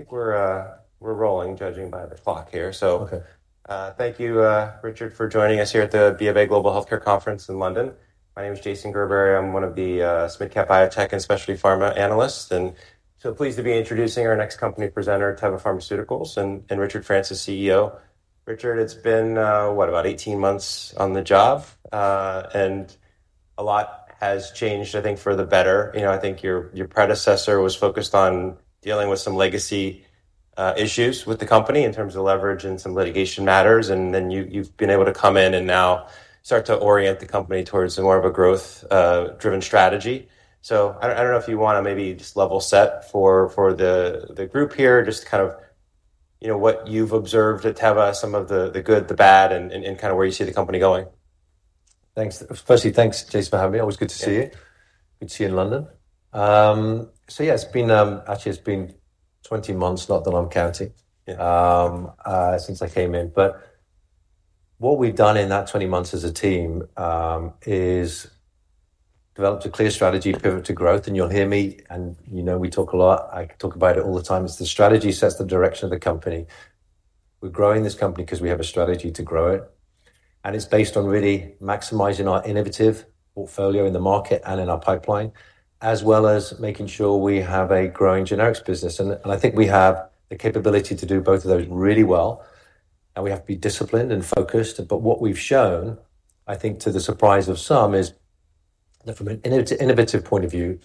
I think we're, we're rolling judging by the clock here. So- Okay. Thank you, Richard, for joining us here at the BofA Global Healthcare Conference in London. My name is Jason Gerberry. I'm one of the mid-cap biotech and specialty pharma analysts, and so pleased to be introducing our next company presenter, Teva Pharmaceuticals, and Richard Francis, CEO. Richard, it's been what, about eighteen months on the job, and a lot has changed, I think, for the better. You know, I think your predecessor was focused on dealing with some legacy issues with the company in terms of leverage and some litigation matters, and then you've been able to come in and now start to orient the company towards more of a growth driven strategy. So I don't know if you wanna maybe just level set for the group here, just to kind of, you know, what you've observed at Teva, some of the good, the bad, and kind of where you see the company going. Thanks. Firstly, thanks, Jason, for having me. Always good to see you. Good to see you in London. So yeah, actually, it's been twenty months, not that I'm counting- Yeah since I came in, but what we've done in that twenty months as a team is developed a clear strategy, pivot to growth, and you'll hear me and, you know, we talk a lot. I talk about it all the time, is the strategy sets the direction of the company. We're growing this company 'cause we have a strategy to grow it, and it's based on really maximizing our innovative portfolio in the market and in our pipeline, as well as making sure we have a growing generics business. I think we have the capability to do both of those really well, and we have to be disciplined and focused. But what we've shown, I think, to the surprise of some, is that from an innovative point of view,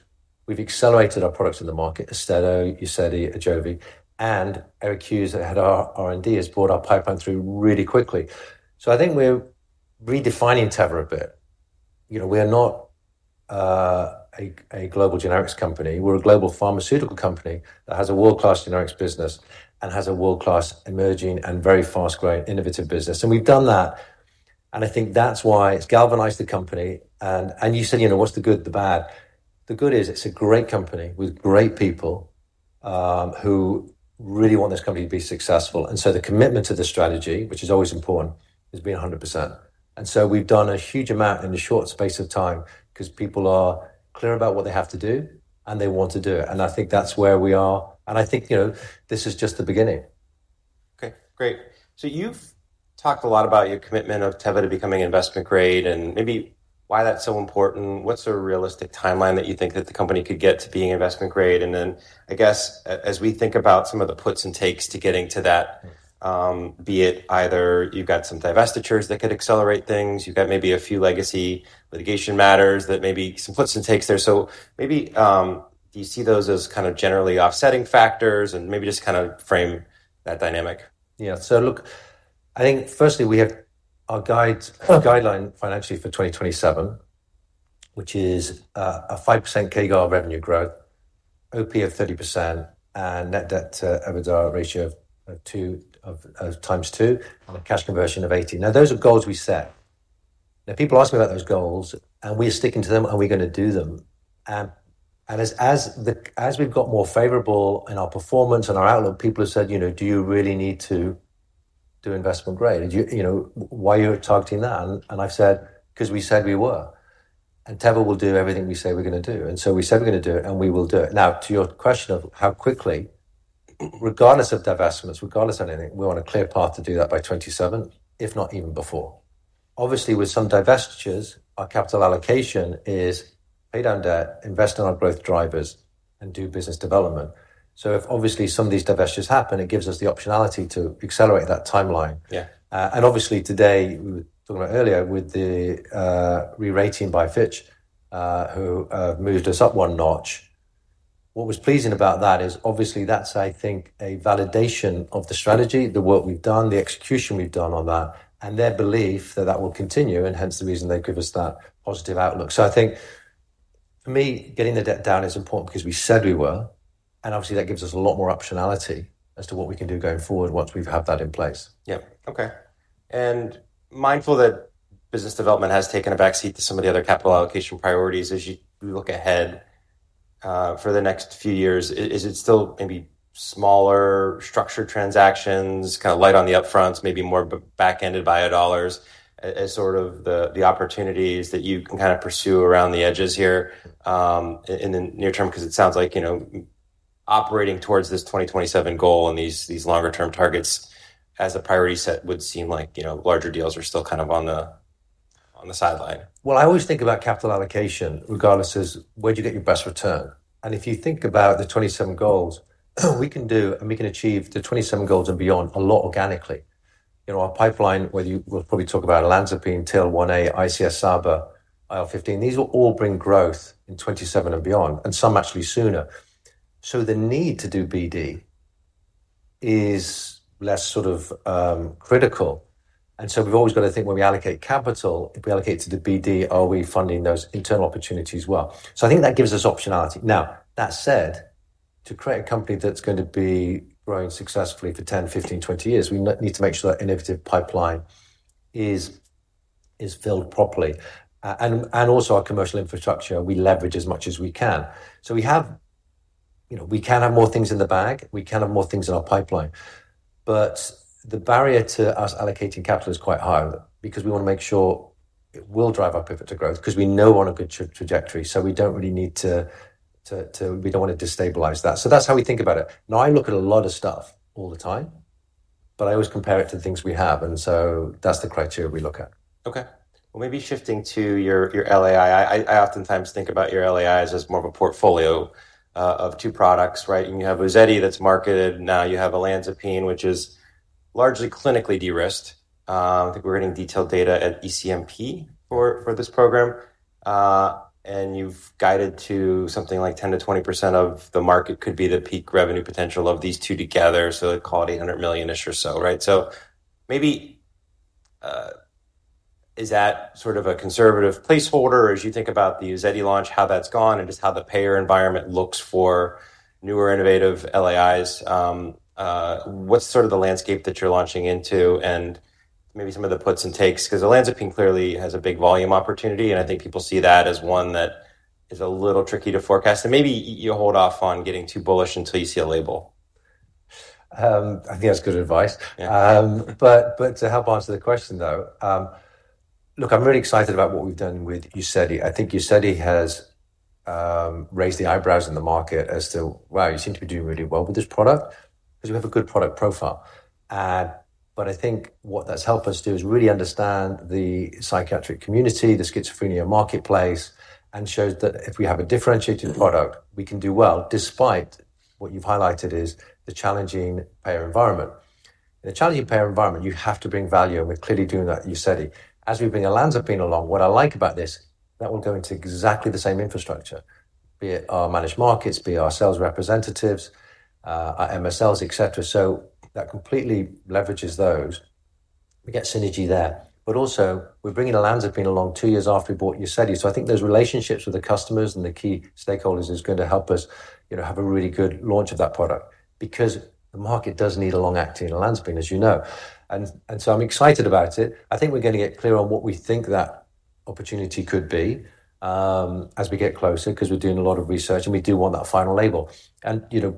we've accelerated our products in the market, Austedo, Uzedi, Ajovy, and Eric Hughes, the head of R&D, has brought our pipeline through really quickly. So I think we're redefining Teva a bit. You know, we are not a global generics company. We're a global pharmaceutical company that has a world-class generics business and has a world-class, emerging, and very fast-growing innovative business, and we've done that. I think that's why it's galvanized the company, and you said, you know, what's the good, the bad? The good is it's a great company with great people who really want this company to be successful. So the commitment to the strategy, which is always important, has been 100%. And so we've done a huge amount in a short space of time 'cause people are clear about what they have to do, and they want to do it. And I think that's where we are, and I think, you know, this is just the beginning. Okay, great. So you've talked a lot about your commitment of Teva becoming investment grade and maybe why that's so important. What's a realistic timeline that you think that the company could get to being investment grade? And then, I guess as we think about some of the puts and takes to getting to that, be it either you've got some divestitures that could accelerate things, you've got maybe a few legacy litigation matters that maybe some puts and takes there. So maybe, do you see those as kind of generally offsetting factors and maybe just kind of frame that dynamic? Yeah. So look, I think firstly, we have our guidance financially for 2027, which is a 5% CAGR revenue growth, OP of 30%, and net debt to EBITDA ratio of 2x, and a cash conversion of 80%. Now, those are goals we set. Now, people ask me about those goals, and we are sticking to them, and we're gonna do them. And as we've got more favorable in our performance and our outlook, people have said, "You know, do you really need to do investment grade? Do you... You know, why are you targeting that?" And I've said, "'Cause we said we were, and Teva will do everything we say we're gonna do." And so we said, we're gonna do it, and we will do it. Now, to your question of how quickly, regardless of divestments, regardless of anything, we're on a clear path to do that by 2027, if not even before. Obviously, with some divestitures, our capital allocation is pay down debt, invest in our growth drivers, and do business development. So if obviously some of these divestitures happen, it gives us the optionality to accelerate that timeline. Yeah. And obviously today, we were talking about earlier with the rerating by Fitch, who moved us up one notch. What was pleasing about that is obviously that's, I think, a validation of the strategy, the work we've done, the execution we've done on that, and their belief that will continue, and hence the reason they give us that positive outlook. So I think for me, getting the debt down is important because we said we were, and obviously that gives us a lot more optionality as to what we can do going forward once we've had that in place. Yeah. Okay. And mindful that business development has taken a backseat to some of the other capital allocation priorities as you look ahead for the next few years, is it still maybe smaller structured transactions, kind of light on the upfronts, maybe more back-ended bio dollars, as sort of the opportunities that you can kind of pursue around the edges here, in the near term? 'Cause it sounds like, you know, operating towards this 2027 goal and these longer-term targets as a priority set would seem like, you know, larger deals are still kind of on the sideline. I always think about capital allocation, regardless, is where do you get your best return? If you think about the 2027 goals, we can do and we can achieve the 2027 goals and beyond a lot organically. You know, our pipeline, whether you... we'll probably talk about olanzapine, TL1A, ICS-SABA, IL-15. These will all bring growth in 2027 and beyond, and some actually sooner. The need to do BD is less sort of critical, and we've always got to think when we allocate capital, if we allocate to the BD, are we funding those internal opportunities well? I think that gives us optionality. Now, that said, to create a company that's going to be growing successfully for 10, 15, 20 years, we need to make sure that innovative pipeline is filled properly, and also our commercial infrastructure, we leverage as much as we can. So we have. You know, we can have more things in the bag, we can have more things in our pipeline, but the barrier to us allocating capital is quite high because we want to make sure it will drive our pivot to growth because we know we're on a good trajectory, so we don't really need to. We don't want to destabilize that. So that's how we think about it. Now, I look at a lot of stuff all the time, but I always compare it to the things we have, and so that's the criteria we look at. Okay. Well, maybe shifting to your LAI. I oftentimes think about your LAIs as more of a portfolio of two products, right? And you have Uzedi that's marketed. Now you have olanzapine, which is largely clinically de-risked. I think we're getting detailed data at ECNP for this program, and you've guided to something like 10%-20% of the market could be the peak revenue potential of these two together, so call it $100 million-ish or so, right? So maybe is that sort of a conservative placeholder as you think about the Uzedi launch, how that's gone, and just how the payer environment looks for newer, innovative LAIs? What's sort of the landscape that you're launching into and maybe some of the puts and takes, 'cause Olanzapine clearly has a big volume opportunity, and I think people see that as one that is a little tricky to forecast, and maybe you hold off on getting too bullish until you see a label. I think that's good advice. Yeah. But to help answer the question, though, look, I'm really excited about what we've done with Uzedi. I think Uzedi has raised the eyebrows in the market as to, "Wow, you seem to be doing really well with this product," 'cause we have a good product profile. But I think what that's helped us do is really understand the psychiatric community, the schizophrenia marketplace, and shows that if we have a differentiated product, we can do well, despite what you've highlighted is the challenging payer environment. In a challenging payer environment, you have to bring value, and we're clearly doing that at Uzedi. As we bring olanzapine along, what I like about this, that will go into exactly the same infrastructure, be it our managed markets, be it our sales representatives, our MSLs, et cetera. So that completely leverages those. We get synergy there, but also, we're bringing olanzapine along two years after we bought Uzedi. I think those relationships with the customers and the key stakeholders is going to help us, you know, have a really good launch of that product because the market does need a long-acting olanzapine, as you know. And so I'm excited about it. I think we're going to get clear on what we think that opportunity could be, as we get closer, 'cause we're doing a lot of research, and we do want that final label. And, you know,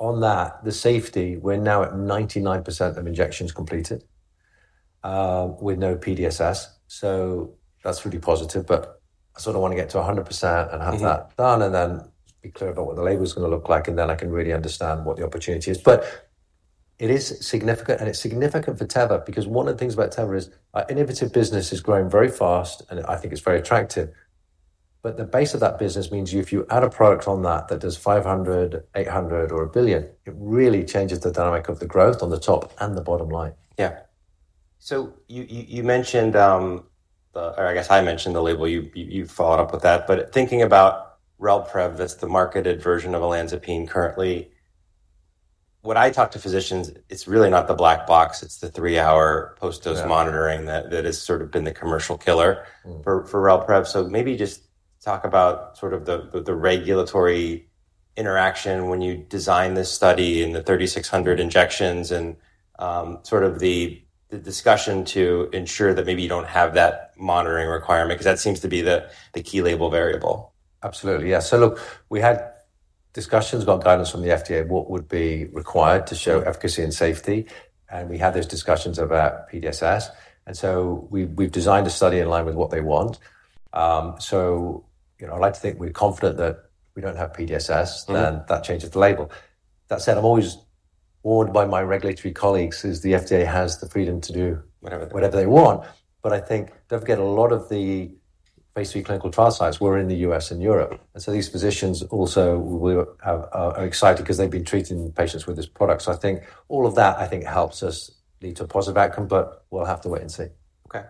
on that, the safety, we're now at 99% of injections completed, with no PDSS, so that's really positive. But I sort of want to get to 100% and have that done, and then be clear about what the label is going to look like, and then I can really understand what the opportunity is. But it is significant, and it's significant for Teva, because one of the things about Teva is our innovative business is growing very fast, and I think it's very attractive. But the base of that business means if you add a product on that, that does $500, $800, or $1 billion, it really changes the dynamic of the growth on the top and the bottom line. Yeah, so you mentioned the... Or I guess I mentioned the label. You've followed up with that. But thinking about Relprevv, that's the marketed version of olanzapine currently. When I talk to physicians, it's really not the black box, it's the three-hour post-dose- Yeah... monitoring that, that has sort of been the commercial killer- Mm-hmm. For Relprevv. So maybe just talk about sort of the regulatory interaction when you designed this study and the thirty-six hundred injections and sort of the discussion to ensure that maybe you don't have that monitoring requirement, 'cause that seems to be the key label variable. Absolutely. Yeah, so look, we had discussions about guidance from the FDA, what would be required to show efficacy and safety, and we had those discussions about PDSS. And so we've designed a study in line with what they want, so you know, I'd like to think we're confident that we don't have PDSS- Mm-hmm. Then that changes the label. That said, I'm always warned by my regulatory colleagues, is the FDA has the freedom to do- Whatever they want. Whatever they want. But I think don't forget, a lot of the phase III clinical trial sites were in the U.S. and Europe, and so these physicians also will have, are excited 'cause they've been treating patients with this product. So I think all of that, I think, helps us lead to a positive outcome, but we'll have to wait and see. Okay.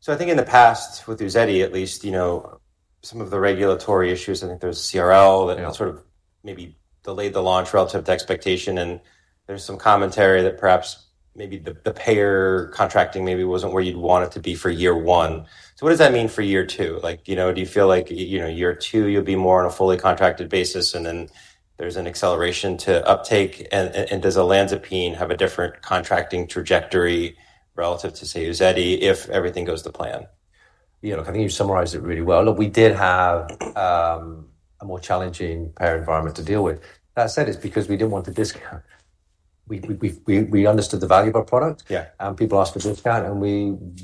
So I think in the past, with Uzedi at least, you know, some of the regulatory issues, I think there was a CRL- Yeah... that sort of maybe delayed the launch relative to expectation, and there's some commentary that perhaps maybe the payer contracting maybe wasn't where you'd want it to be for year one. So what does that mean for year two? Like, you know, do you feel like, you know, year two, you'll be more on a fully contracted basis, and then there's an acceleration to uptake? And does olanzapine have a different contracting trajectory relative to, say, Uzedi, if everything goes to plan? You know, I think you summarized it really well. Look, we did have a more challenging payer environment to deal with. That said, it's because we didn't want to discount. We understood the value of our product. Yeah. And people asked for a discount, and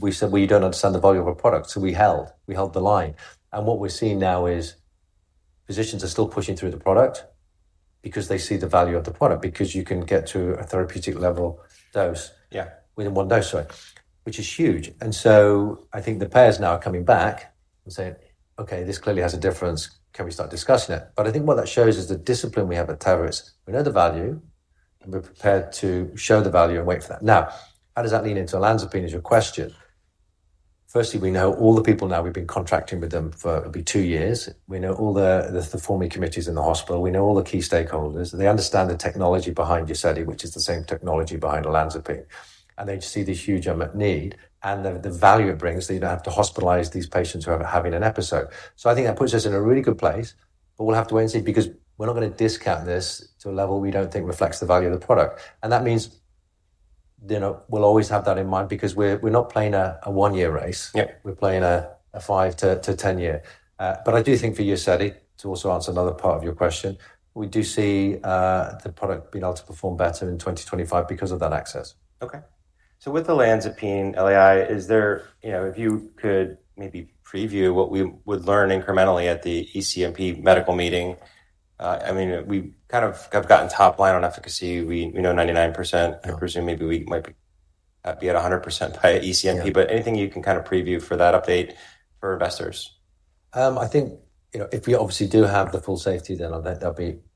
we said, "We don't understand the value of our product." So we held the line. And what we're seeing now is physicians are still pushing through the product because they see the value of the product, because you can get to a therapeutic level dose- Yeah... within one dose, right? Which is huge. And so I think the payers now are coming back and saying: "Okay, this clearly has a difference. Can we start discussing it?" But I think what that shows is the discipline we have at Teva is we know the value, and we're prepared to show the value and wait for that. Now, how does that lean into olanzapine is your question. Firstly, we know all the people now. We've been contracting with them for, it'll be two years. We know all the forming committees in the hospital. We know all the key stakeholders. They understand the technology behind Uzedi, which is the same technology behind olanzapine, and they see the huge need and the value it brings, so you don't have to hospitalize these patients who are having an episode. So I think that puts us in a really good place, but we'll have to wait and see, because we're not going to discount this to a level we don't think reflects the value of the product, and that means, you know, we'll always have that in mind because we're not playing a one-year race. Yeah. We're playing a five- to ten-year, but I do think for Uzedi, to also answer another part of your question, we do see the product being able to perform better in 2025 because of that access. So with olanzapine LAI, is there, you know, if you could maybe preview what we would learn incrementally at the ECNP medical meeting. I mean, we kind of have gotten top line on efficacy. We know 99%. I presume maybe we might be at 100% by ECNP, but anything you can kind of preview for that update for investors? I think, you know, if we obviously do have the full safety, then I think that'll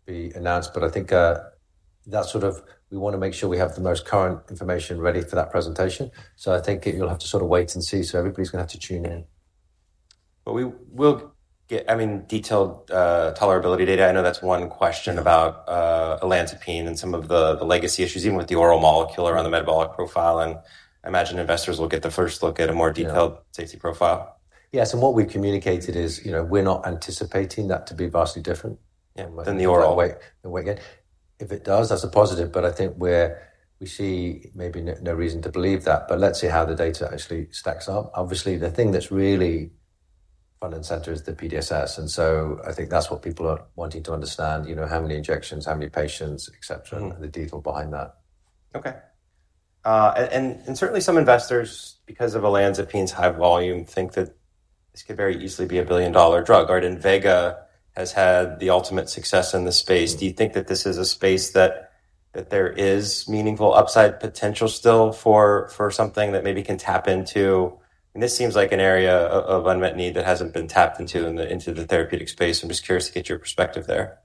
be announced. But I think that sort of we want to make sure we have the most current information ready for that presentation. So I think you'll have to sort of wait and see. So everybody's going to have to tune in. But we will get, I mean, detailed tolerability data. I know that's one question about olanzapine and some of the legacy issues, even with the oral molecule around the metabolic profile, and I imagine investors will get the first look at a more detailed- Yeah... safety profile. Yes, and what we've communicated is, you know, we're not anticipating that to be vastly different- Than the oral. And we get. If it does, that's a positive, but I think we're, we see maybe no, no reason to believe that. But let's see how the data actually stacks up. Obviously, the thing that's really front and center is the PDSS, and so I think that's what people are wanting to understand, you know, how many injections, how many patients, et cetera, and the detail behind that. Okay, and certainly some investors, because of olanzapine's high volume, think that this could very easily be a billion-dollar drug, right, and Invega has had the ultimate success in this space. Do you think that this is a space that there is meaningful upside potential still for something that maybe can tap into? And this seems like an area of unmet need that hasn't been tapped into in the therapeutic space. I'm just curious to get your perspective there.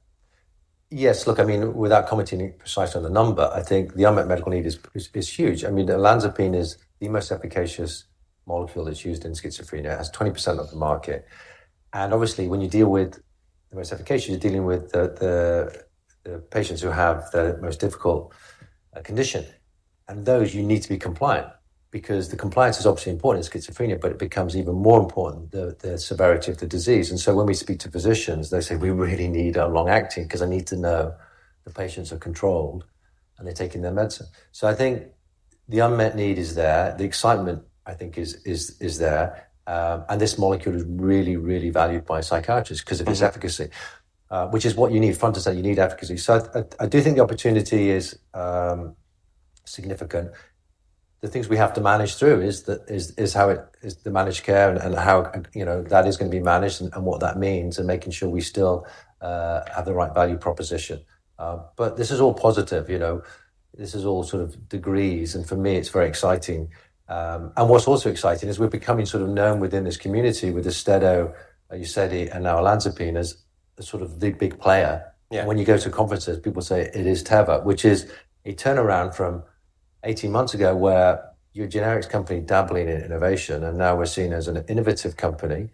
Yes, look, I mean, without commenting precisely on the number, I think the unmet medical need is huge. I mean, olanzapine is the most efficacious molecule that's used in schizophrenia. It has 20% of the market, and obviously, when you deal with the most efficacious, you're dealing with the patients who have the most difficult condition. And those you need to be compliant because the compliance is obviously important in schizophrenia, but it becomes even more important, the severity of the disease. And so when we speak to physicians, they say, "We really need a long-acting because I need to know the patients are controlled, and they're taking their medicine." So I think the unmet need is there. The excitement, I think, is there, and this molecule is really valued by psychiatrists because of its efficacy, which is what you need. Frontline, you need efficacy. So I do think the opportunity is significant. The things we have to manage through is the managed care and how, you know, that is going to be managed and what that means, and making sure we still have the right value proposition, but this is all positive, you know, this is all sort of degrees, and for me, it's very exciting, and what's also exciting is we're becoming sort of known within this community with the Austedo, Uzedi, and now Olanzapine, as the sort of big player. Yeah. When you go to conferences, people say it is Teva, which is a turnaround from eighteen months ago, where you're a generics company dabbling in innovation, and now we're seen as an innovative company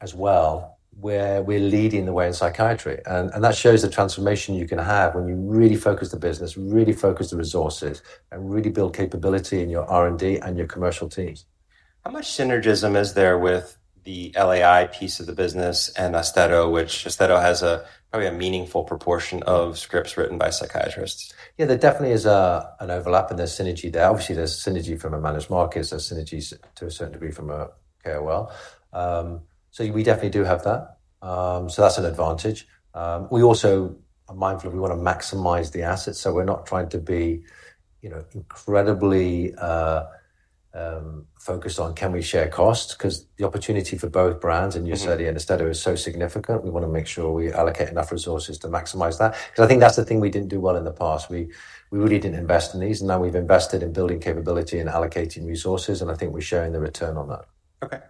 as well, where we're leading the way in psychiatry. And that shows the transformation you can have when you really focus the business, really focus the resources, and really build capability in your R&D and your commercial teams. How much synergism is there with the LAI piece of the business and Austedo, which Austedo has, probably a meaningful proportion of scripts written by psychiatrists? Yeah, there definitely is an overlap, and there's synergy there. Obviously, there's synergy from a managed market. There's synergies to a certain degree from a KOL. So we definitely do have that. So that's an advantage. We also are mindful we want to maximize the assets, so we're not trying to be, you know, incredibly focused on can we share costs? Because the opportunity for both brands- Mm-hmm... and Uzedi and Austedo is so significant. We want to make sure we allocate enough resources to maximize that, because I think that's the thing we didn't do well in the past. We really didn't invest in these, and now we've invested in building capability and allocating resources, and I think we're showing the return on that. Okay.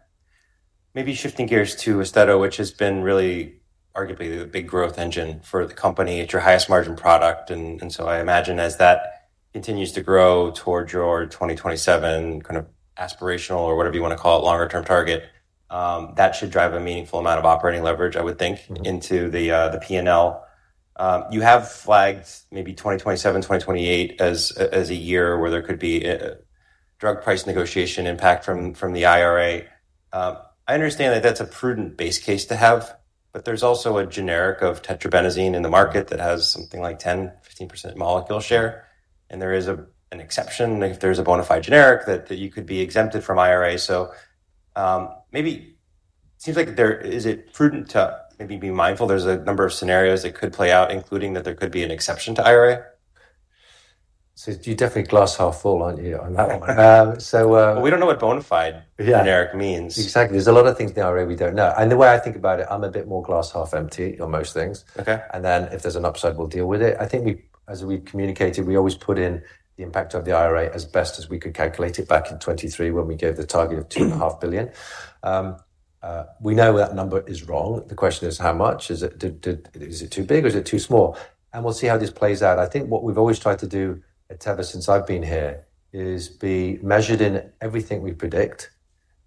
Maybe shifting gears to Austedo, which has been really arguably the big growth engine for the company. It's your highest margin product, and so I imagine as that continues to grow towards your 2027 kind of aspirational or whatever you want to call it, longer-term target, that should drive a meaningful amount of operating leverage, I would think- Mm-hmm... into the PNL. You have flagged maybe 2027, 2028 as a year where there could be a drug price negotiation impact from the IRA. I understand that that's a prudent base case to have, but there's also a generic of tetrabenazine in the market that has something like 10-15% molecule share, and there is an exception, if there's a bona fide generic, that you could be exempted from IRA. So, maybe it seems like, is it prudent to maybe be mindful there's a number of scenarios that could play out, including that there could be an exception to IRA? So you're definitely glass half full, aren't you, on that one? We don't know what bona fide- Yeah... generic means. Exactly. There's a lot of things in the IRA we don't know, and the way I think about it, I'm a bit more glass half empty on most things. Okay. And then if there's an upside, we'll deal with it. I think we, as we've communicated, we always put in the impact of the IRA as best as we could calculate it back in 2023, when we gave the target of $2.5 billion. We know that number is wrong. The question is, how much? Is it too big or is it too small? And we'll see how this plays out. I think what we've always tried to do at Teva since I've been here is be measured in everything we predict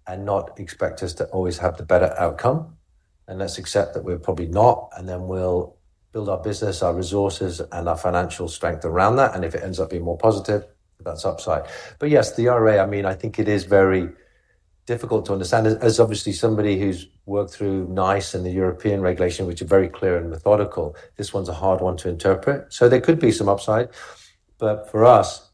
and not expect us to always have the better outcome. And let's accept that we're probably not, and then we'll build our business, our resources, and our financial strength around that, and if it ends up being more positive, that's upside. But yes, the IRA, I mean, I think it is very difficult to understand, as obviously somebody who's worked through NICE and the European regulation, which are very clear and methodical. This one's a hard one to interpret, so there could be some upside, but for us,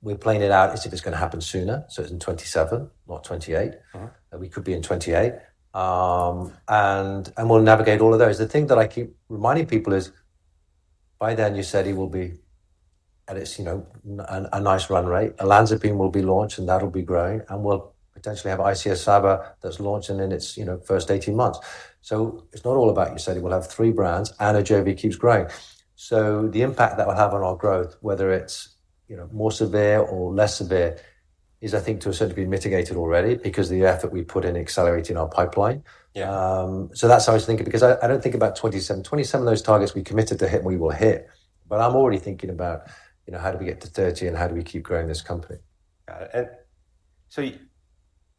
we're playing it out as if it's going to happen sooner, so it's in 2027, not 2028. Uh-huh. We could be in twenty-eight. And we'll navigate all of those. The thing that I keep reminding people is by then, Uzedi will be at its, you know, a nice run rate. Olanzapine will be launched, and that'll be growing, and we'll potentially have ICS/SABA that's launching in its, you know, first eighteen months. So it's not all about Uzedi. We'll have three brands, and Ajovy keeps growing. So the impact that will have on our growth, whether it's, you know, more severe or less severe, is, I think, to a certain degree, mitigated already because of the effort we put in accelerating our pipeline. Yeah. That's how I was thinking, because I don't think about 27. 27 of those targets we committed to hit, we will hit, but I'm already thinking about, you know, how do we get to 30 and how do we keep growing this company? Got it. And so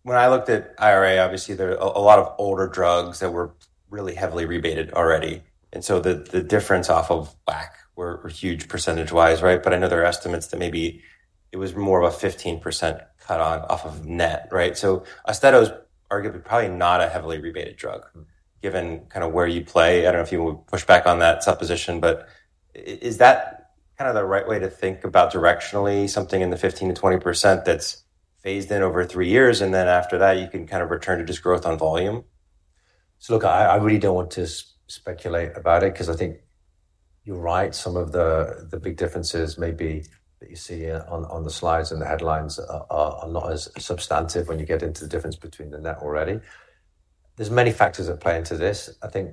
when I looked at IRA, obviously, there are a lot of older drugs that were really heavily rebated already, and so the difference off of WAC were huge percentage-wise, right? But I know there are estimates that maybe it was more of a 15% cut off of net, right? So Austedo is arguably probably not a heavily rebated drug, given kind of where you play. I don't know if you would push back on that supposition, but is that kind of the right way to think about directionally, something in the 15%-20% that's phased in over three years, and then after that, you can kind of return to just growth on volume? Look, I really don't want to speculate about it because I think you're right. Some of the big differences may be that you see on the slides and the headlines are not as substantive when you get into the difference between the net already. There are many factors that play into this. I think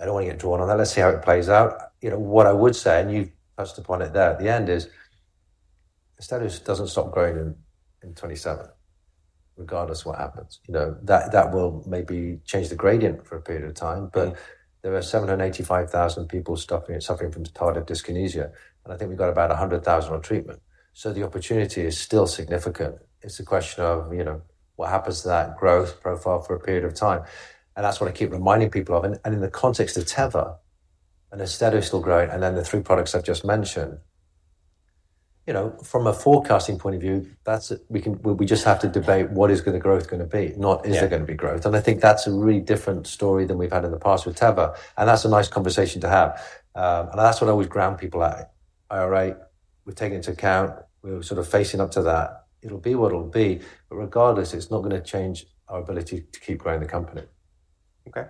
I don't want to get drawn on that. Let's see how it plays out. You know, what I would say, and you've touched upon it there at the end, is Austedo doesn't stop growing in 2027, regardless what happens. You know, that will maybe change the gradient for a period of time, but there are 785,000 people suffering from tardive dyskinesia, and I think we've got about 100,000 on treatment. So the opportunity is still significant. It's a question of, you know, what happens to that growth profile for a period of time, and that's what I keep reminding people of. And in the context of Teva and Austedo still growing, and then the three products I've just mentioned, you know, from a forecasting point of view, that's a we just have to debate what the growth is going to be, not is- Yeah. there going to be growth? And I think that's a really different story than we've had in the past with Teva, and that's a nice conversation to have. And that's what I always ground people at. All right, we've taken into account. We're sort of facing up to that. It'll be what it'll be, but regardless, it's not going to change our ability to keep growing the company. Okay.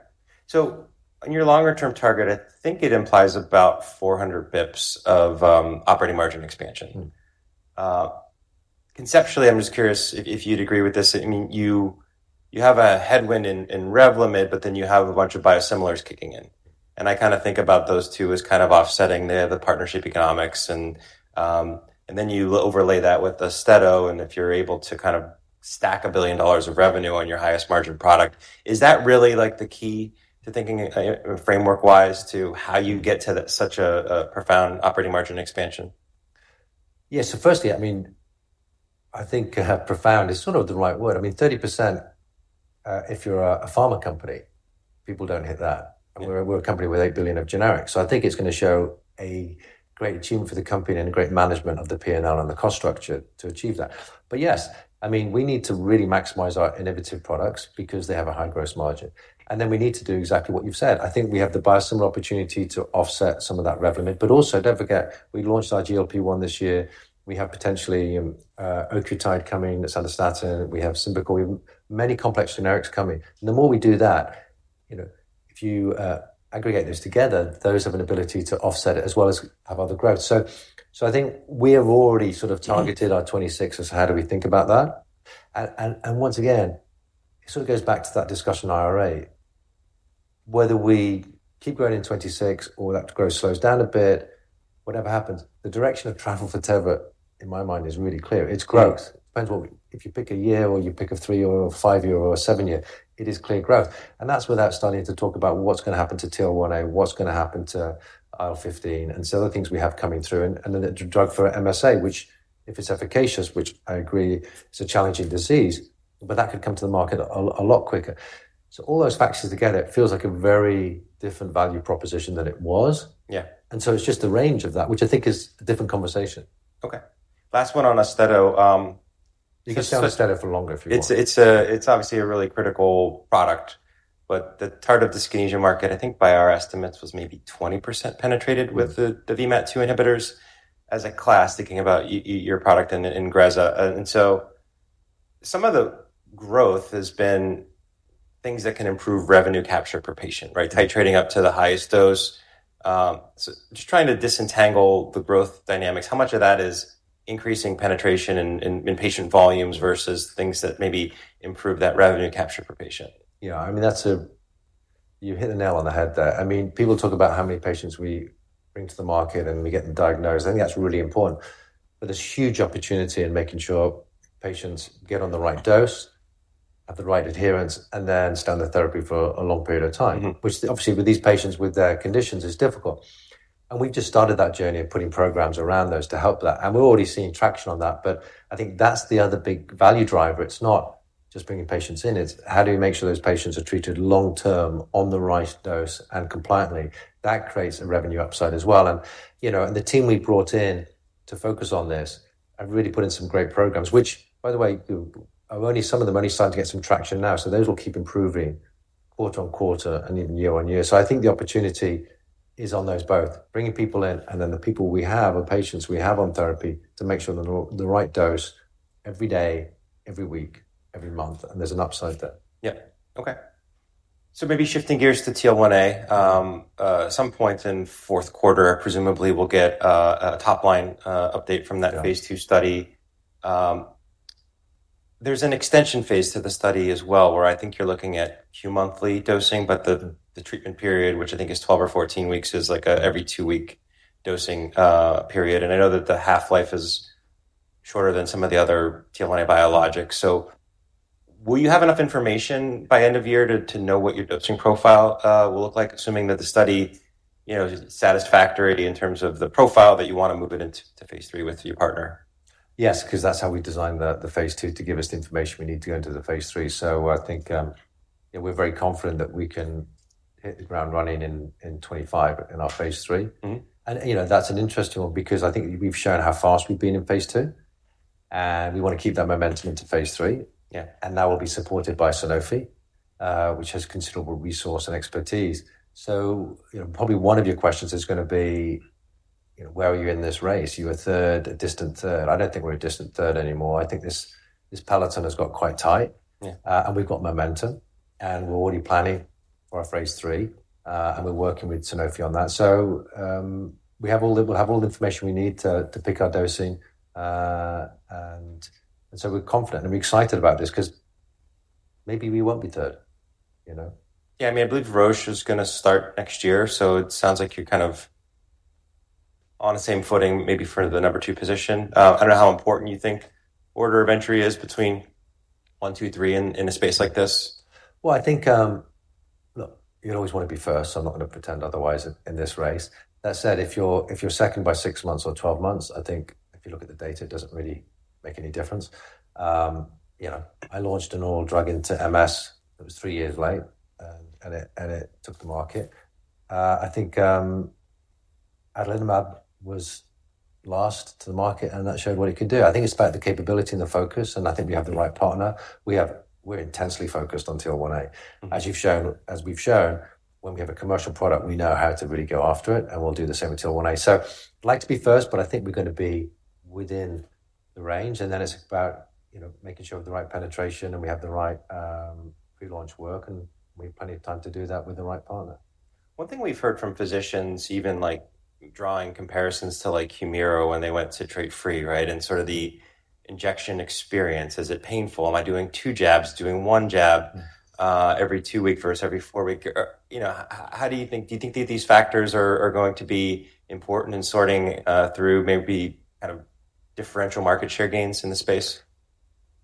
So on your longer-term target, I think it implies about 400 basis points of operating margin expansion. Mm-hmm. Conceptually, I'm just curious if you'd agree with this. I mean, you have a headwind in Revlimid, but then you have a bunch of biosimilars kicking in, and I kind of think about those two as kind of offsetting the partnership economics and, and then you overlay that with Austedo, and if you're able to kind of stack $1 billion of revenue on your highest margin product, is that really like the key to thinking framework-wise to how you get to such a profound operating margin expansion? Yeah. So firstly, I mean, I think, profound is sort of the right word. I mean, 30%, if you're a pharma company, people don't hit that. Yeah. And we're a company with $8 billion of generics, so I think it's going to show a great tune for the company and a great management of the P&L and the cost structure to achieve that. But yes, I mean, we need to really maximize our innovative products because they have a high gross margin, and then we need to do exactly what you've said. I think we have the biosimilar opportunity to offset some of that Revlimid. But also, don't forget, we launched our GLP-1 this year. We have potentially octreotide coming, pitvastatin, we have Symbicort, we have many complex generics coming. The more we do that, you know, if you aggregate those together, those have an ability to offset it as well as have other growth. So I think we have already sort of targeted- Mm-hmm. 2026, how do we think about that? And once again, it sort of goes back to that discussion, IRA, whether we keep growing in 2026 or that growth slows down a bit, whatever happens, the direction of travel for Teva, in my mind, is really clear. Mm-hmm. It's growth. Depends on if you pick a year or you pick a three-year or a five-year or a seven-year, it is clear growth. That's without starting to talk about what's going to happen to TL1A, what's going to happen to IL-15, and some of the things we have coming through, and the drug for MSA, which if it's efficacious, which I agree, it's a challenging disease, but that could come to the market a lot quicker. All those factors together, it feels like a very different value proposition than it was. Yeah. It's just the range of that, which I think is a different conversation. Okay, last one on Austedo. You can stay on Austedo for longer if you want. It's obviously a really critical product, but the tardive dyskinesia market, I think, by our estimates, was maybe 20% penetrated- Mm-hmm. With the VMAT2 inhibitors as a class, thinking about your product and Ingrezza. And so some of the growth has been things that can improve revenue capture per patient, right? Mm-hmm. Titrating up to the highest dose, so just trying to disentangle the growth dynamics, how much of that is increasing penetration in patient volumes versus things that maybe improve that revenue capture per patient? Yeah, I mean, that's. You hit the nail on the head there. I mean, people talk about how many patients we bring to the market, and we get them diagnosed. I think that's really important, but there's huge opportunity in making sure patients get on the right dose, have the right adherence, and then standard therapy for a long period of time. Mm-hmm. Which obviously with these patients, with their conditions, is difficult. And we just started that journey of putting programs around those to help that, and we're already seeing traction on that, but I think that's the other big value driver. It's not just bringing patients in, it's how do we make sure those patients are treated long-term on the right dose and compliantly? That creates a revenue upside as well. And, you know, the team we brought in to focus on this have really put in some great programs, which, by the way, are only some of them starting to get some traction now. So those will keep improving quarter on quarter and even year on year. So I think the opportunity is on those both, bringing people in and then the people we have or patients we have on therapy to make sure they're on the right dose every day, every week, every month, and there's an upside there. Yeah. Okay. So maybe shifting gears to TL1A, some point in fourth quarter, presumably we'll get a top-line update from that. Yeah. Phase two study. There's an extension phase to the study as well, where I think you're looking at bimonthly dosing, but the treatment period, which I think is 12 or 14 weeks, is like every two-week dosing period. And I know that the half-life is shorter than some of the other TL1A biologics. So will you have enough information by end of year to know what your dosing profile will look like, assuming that the study, you know, is satisfactory in terms of the profile that you want to move it into phase three with your partner? Yes, 'cause that's how we designed the phase two to give us the information we need to go into the phase three. So I think, we're very confident that we can hit the ground running in 2025 in our phase three. Mm-hmm. You know, that's an interesting one because I think we've shown how fast we've been in phase two, and we want to keep that momentum into phase three. Yeah. That will be supported by Sanofi, which has considerable resource and expertise. You know, probably one of your questions is going to be, you know, where are you in this race? You're a third, a distant third. I don't think we're a distant third anymore. I think this peloton has got quite tight. Yeah. And we've got momentum, and we're already planning for our phase three, and we're working with Sanofi on that. So, we'll have all the information we need to pick our dosing. So we're confident, and we're excited about this 'cause maybe we won't be third, you know? Yeah. I mean, I believe Roche is gonna start next year, so it sounds like you're kind of on the same footing, maybe for the number two position. I don't know how important you think order of entry is between one, two, three in a space like this. I think, look, you'd always want to be first. I'm not going to pretend otherwise in this race. That said, if you're second by six months or twelve months, I think if you look at the data, it doesn't really make any difference. You know, I launched an oral drug into MS that was three years late, and it took the market. I think, Adalimumab was last to the market, and that showed what it could do. I think it's about the capability and the focus, and I think we have the right partner. We have. We're intensely focused on TL1A. Mm-hmm. As you've shown, as we've shown, when we have a commercial product, we know how to really go after it, and we'll do the same with TL1A. So I'd like to be first, but I think we're going to be within the range, and then it's about, you know, making sure we have the right penetration, and we have the right pre-launch work, and we have plenty of time to do that with the right partner. One thing we've heard from physicians, even like drawing comparisons to, like, Humira when they went citrate free, right? And sort of the injection experience. Is it painful? Am I doing two jabs, doing one jab- Yes. Every two week versus every four week? You know, how do you think... Do you think these factors are going to be important in sorting through maybe kind of differential market share gains in the space?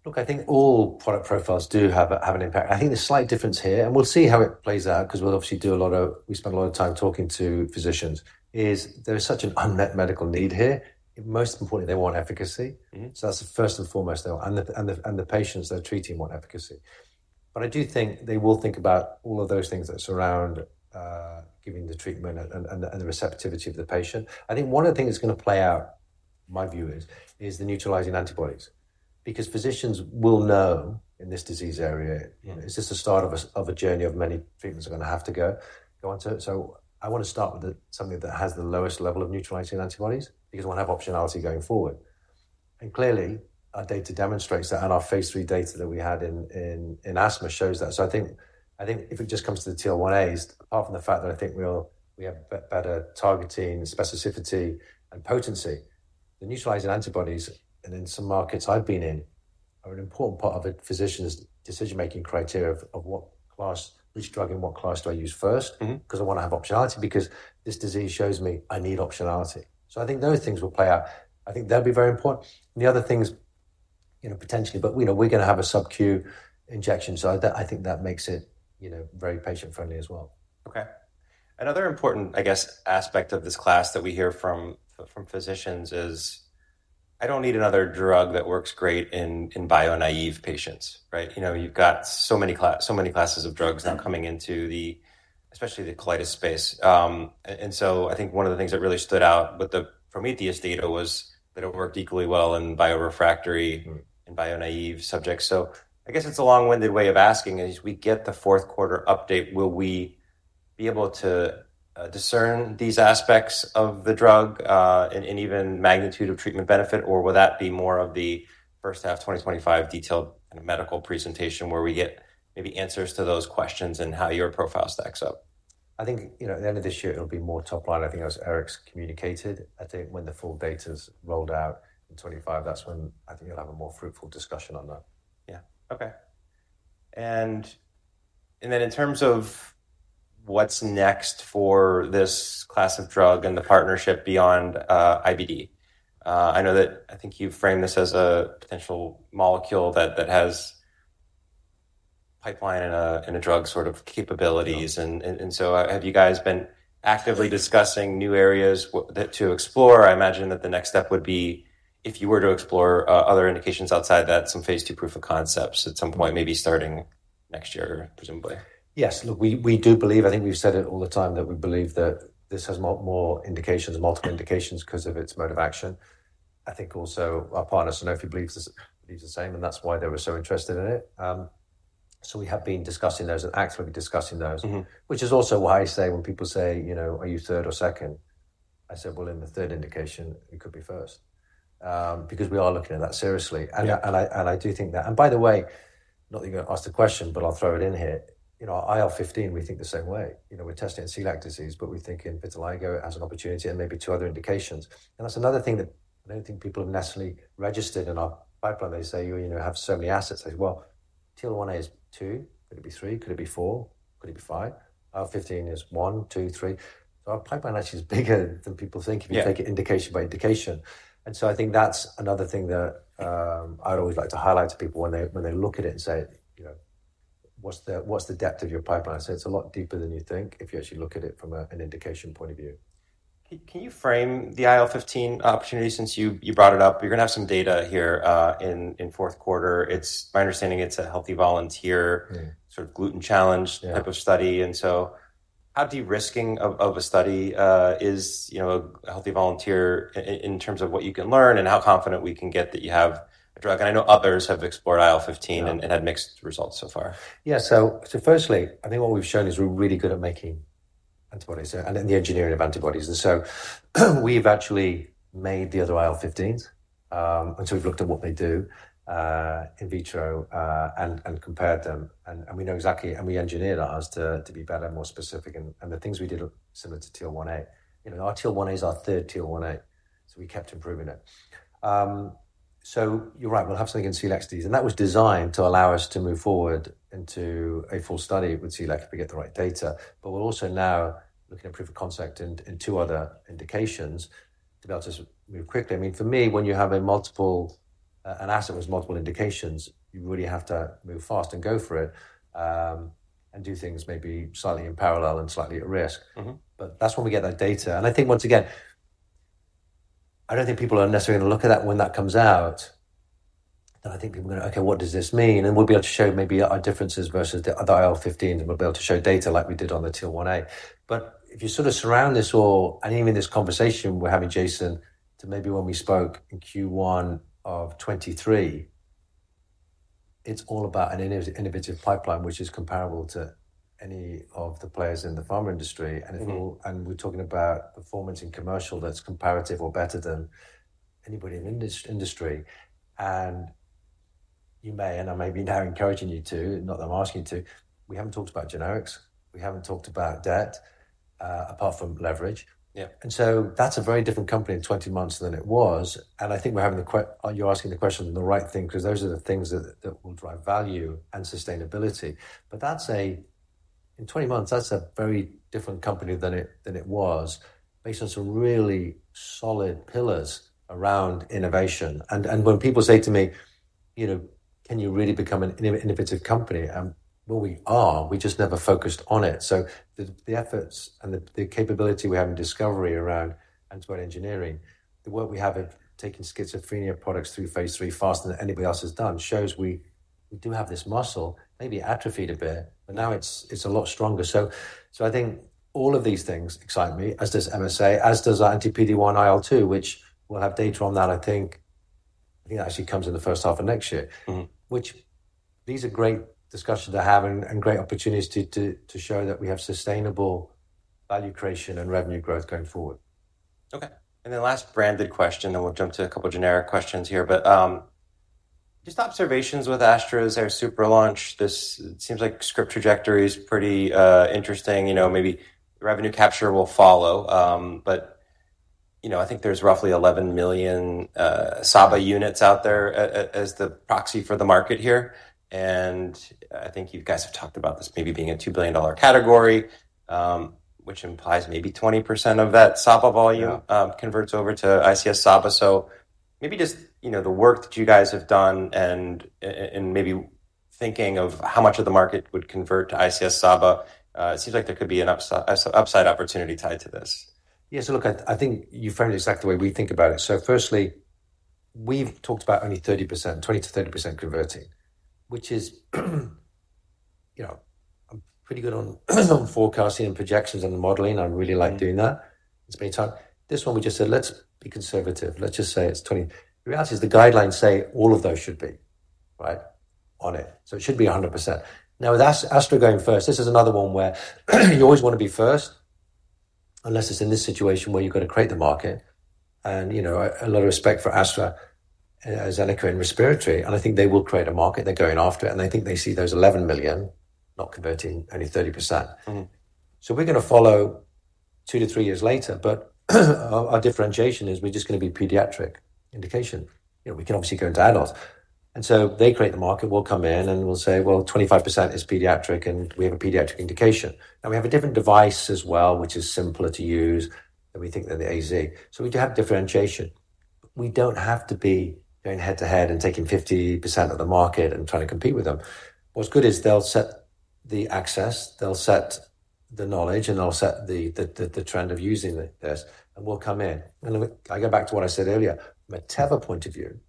Look, I think all product profiles do have an impact. I think the slight difference here, and we'll see how it plays out, 'cause we'll obviously spend a lot of time talking to physicians, is there such an unmet medical need here. Most importantly, they want efficacy. Mm-hmm. So that's the first and foremost, though, and the patients they're treating want efficacy. But I do think they will think about all of those things that surround giving the treatment and the receptivity of the patient. I think one of the things that's going to play out, my view is, is the neutralizing antibodies, because physicians will know in this disease area- Yeah... this is the start of a journey of many treatments are going to have to go on to it. So I want to start with the something that has the lowest level of neutralizing antibodies because we want to have optionality going forward. And clearly, our data demonstrates that, and our phase three data that we had in asthma shows that. So I think if it just comes to the TL1As, apart from the fact that I think we all have better targeting, specificity, and potency, the neutralizing antibodies, and in some markets I've been in, are an important part of a physician's decision-making criteria of what class, which drug and what class do I use first? Mm-hmm. 'Cause I want to have optionality because this disease shows me I need optionality. So I think those things will play out. I think that'll be very important. And the other thing is, you know, potentially, but we know we're going to have a subQ injection, so that, I think that makes it, you know, very patient-friendly as well. Okay. Another important, I guess, aspect of this class that we hear from physicians is: I don't need another drug that works great in bio-naive patients, right? You know, you've got so many classes of drugs now coming into the especially the colitis space. And so I think one of the things that really stood out with the Prometheus data was that it worked equally well in bio-refractory- Mm-hmm And bio-naive subjects. So I guess it's a long-winded way of asking, as we get the fourth quarter update, will we be able to discern these aspects of the drug, and even magnitude of treatment benefit, or will that be more of the first half 2025 detailed medical presentation, where we get maybe answers to those questions and how your profile stacks up? I think, you know, at the end of this year, it'll be more top line. I think as Eric's communicated, I think when the full data's rolled out in 2025, that's when I think you'll have a more fruitful discussion on that. Yeah. Okay. And then in terms of what's next for this class of drug and the partnership beyond IBD, I know that I think you framed this as a potential molecule that has pipeline and a drug sort of capabilities. Yeah. Have you guys been actively discussing new areas with that to explore? I imagine that the next step would be if you were to explore other indications outside that, some phase 2 proof of concepts at some point, maybe starting next year, presumably. Yes. Look, we do believe. I think we've said it all the time that we believe that this has more indications, multiple indications, because of its mode of action. I think also our partner, Sanofi, believes this, believes the same, and that's why they were so interested in it, so we have been discussing those and actively discussing those. Mm-hmm. Which is also why I say when people say, you know, "Are you third or second?" I said, "Well, in the third indication, it could be first." Because we are looking at that seriously. Yeah. I do think that. By the way, not that you're gonna ask the question, but I'll throw it in here. You know, IL-15, we think the same way. You know, we're testing in celiac disease, but we think in vitiligo as an opportunity and maybe two other indications. And that's another thing that I don't think people have necessarily registered in our pipeline. They say, you know, have so many assets. I say, "Well, TL1A is two. Could it be three? Could it be four? Could it be five?" IL-15 is one, two, three. So our pipeline actually is bigger than people think- Yeah. If you take it indication by indication. And so I think that's another thing that I'd always like to highlight to people when they look at it and say, "You know, what's the depth of your pipeline?" So it's a lot deeper than you think if you actually look at it from an indication point of view. Can you frame the IL-15 opportunity since you brought it up? You're gonna have some data here in fourth quarter. It's my understanding, it's a healthy volunteer- Yeah. sort of gluten challenge Yeah. type of study, and so how de-risking of a study, you know, a healthy volunteer in terms of what you can learn and how confident we can get that you have a drug? And I know others have explored IL-15- Yeah. and had mixed results so far. Yeah. So firstly, I think what we've shown is we're really good at making antibodies and the engineering of antibodies. And so we've actually made the other IL-15s, and so we've looked at what they do in vitro, and compared them, and we know exactly. And we engineered ours to be better and more specific, and the things we did are similar to TL1A. You know, our TL1A is our third TL1A, so we kept improving it. So you're right, we'll have something in celiac disease, and that was designed to allow us to move forward into a full study with celiac if we get the right data. But we're also now looking at proof of concept in two other indications to be able to move quickly. I mean, for me, when you have a multiple, an asset with multiple indications, you really have to move fast and go for it, and do things maybe slightly in parallel and slightly at risk. Mm-hmm. But that's when we get that data, and I think once again, I don't think people are necessarily gonna look at that when that comes out, but I think people are gonna, "Okay, what does this mean?" And we'll be able to show maybe our differences versus the other IL-15s, and we'll be able to show data like we did on the TL1A, but if you sort of surround this all, and even this conversation we're having, Jason, to maybe when we spoke in Q1 of 2023, it's all about an innovative pipeline, which is comparable to any of the players in the pharma industry. Mm-hmm. And it's all, and we're talking about performance in commercial that's comparative or better than anybody in industry. And you may, and I may be now encouraging you to, not that I'm asking you to, we haven't talked about generics. We haven't talked about debt, apart from leverage. Yeah. And so that's a very different company in twenty months than it was, and I think you're asking the question the right thing, 'cause those are the things that will drive value and sustainability. But that's a very different company in twenty months than it was, based on some really solid pillars around innovation. And when people say to me, you know, "Can you really become an innovative company?" Well, we are. We just never focused on it. So the efforts and the capability we have in discovery around antibody engineering, the work we have in taking schizophrenia products through phase III faster than anybody else has done, shows we do have this muscle, maybe atrophied a bit, but now it's a lot stronger. I think all of these things excite me, as does MSA, as does our anti-PD-1 IL-2, which we'll have data on that. I think it actually comes in the first half of next year. Mm-hmm. These are great discussions to have and great opportunities to show that we have sustainable value creation and revenue growth going forward. Okay, and then last branded question, then we'll jump to a couple generic questions here. But just observations with Astra's Airsupra launch, this seems like script trajectory is pretty interesting. You know, maybe revenue capture will follow, but you know, I think there's roughly 11 million SABA units out there as the proxy for the market here, and I think you guys have talked about this maybe being a $2 billion category, which implies maybe 20% of that SABA volume- Yeah... converts over to ICS SABA. So maybe just, you know, the work that you guys have done and maybe thinking of how much of the market would convert to ICS SABA. It seems like there could be an upside opportunity tied to this. Yeah, so look, I think you framed it exactly the way we think about it. So firstly, we've talked about only 30%, 20%-30% converting, which is, you know, I'm pretty good on forecasting and projections and modeling. I really like- Mm-hmm. Doing that. It's my time. This one, we just said, "Let's be conservative. Let's just say it's 20." The reality is the guidelines say all of those should be, right, on it, so it should be 100%. Now, with AstraZeneca going first, this is another one where you always wanna be first, unless it's in this situation where you've got to create the market, and you know, a lot of respect for AstraZeneca and respiratory, and I think they will create a market. They're going after it, and I think they see those 11 million not converting only 30%. Mm-hmm. So we're gonna follow two to three years later, but our differentiation is we're just gonna be pediatric indication. You know, we can obviously go into adults. And so they create the market, we'll come in, and we'll say, "Well, 25% is pediatric, and we have a pediatric indication." And we have a different device as well, which is simpler to use than we think than the AZ. So we do have differentiation. We don't have to be going head-to-head and taking 50% of the market and trying to compete with them. What's good is they'll set the access, they'll set the knowledge, and they'll set the trend of using the this, and we'll come in. I go back to what I said earlier, from a Teva point of view,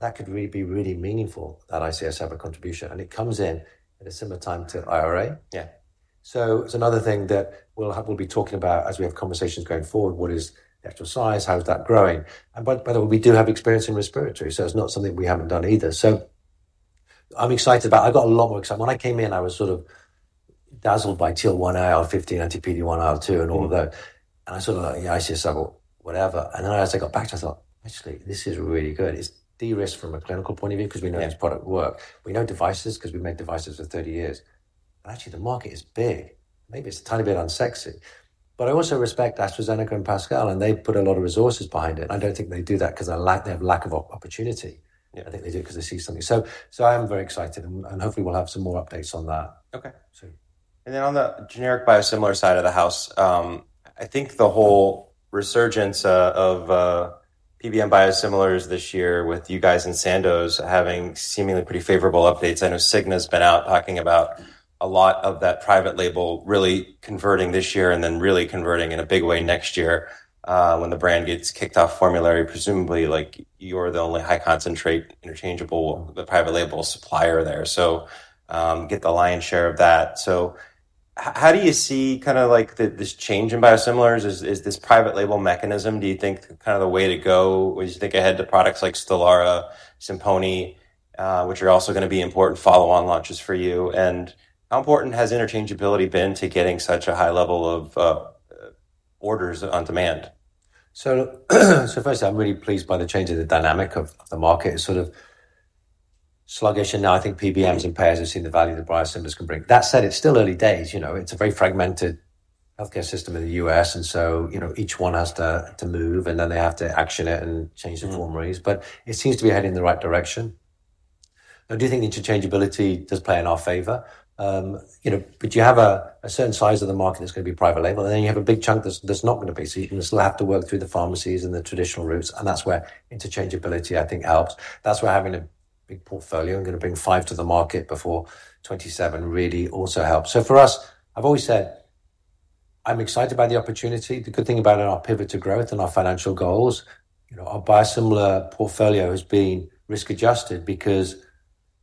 that could really be really meaningful, that ICS have a contribution, and it comes in a similar time to IRA. Yeah.... So it's another thing that we'll have, we'll be talking about as we have conversations going forward. What is the actual size? How is that growing? And by the way, we do have experience in respiratory, so it's not something we haven't done either. So I'm excited about it. I got a lot more excited. When I came in, I was sort of dazzled by TL1A, IL-15, anti-PD-1, IL-2, and all of that, and I sort of like, I just thought, whatever. And then as I got back, I thought, actually, this is really good. It's de-risked from a clinical point of view because we know this product work. We know devices because we made devices for 30 years, and actually the market is big. Maybe it's a tiny bit unsexy, but I also respect AstraZeneca and Pascal, and they've put a lot of resources behind it. I don't think they do that because they have lack of opportunity. Yeah. I think they do because they see something. I'm very excited and hopefully we'll have some more updates on that. Okay. So. And then on the generic biosimilar side of the house, I think the whole resurgence of PBM biosimilars this year with you guys and Sandoz having seemingly pretty favorable updates. I know Cigna's been out talking about a lot of that private label really converting this year and then really converting in a big way next year, when the brand gets kicked off formulary, presumably like you're the only high concentrate interchangeable, the private label supplier there. So, get the lion's share of that. So how do you see kind of like this change in biosimilars? Is this private label mechanism, do you think kind of the way to go, as you think ahead to products like Stelara, Simponi, which are also going to be important follow-on launches for you? How important has interchangeability been to getting such a high level of orders on demand? So first, I'm really pleased by the change in the dynamic of the market. It's sort of sluggish, and now I think PBMs and payers have seen the value that biosimilars can bring. That said, it's still early days, you know. It's a very fragmented healthcare system in the U.S., and so, you know, each one has to move, and then they have to action it and change the formularies. Mm-hmm. But it seems to be heading in the right direction. I do think interchangeability does play in our favor. You know, but you have a certain size of the market that's going to be private label, and then you have a big chunk that's not going to be. So you can still have to work through the pharmacies and the traditional routes, and that's where interchangeability, I think, helps. That's where having a big portfolio, I'm going to bring five to the market before 2027, really also helps. So for us, I've always said I'm excited by the opportunity. The good thing about in our pivot to growth and our financial goals, you know, our biosimilar portfolio has been risk-adjusted because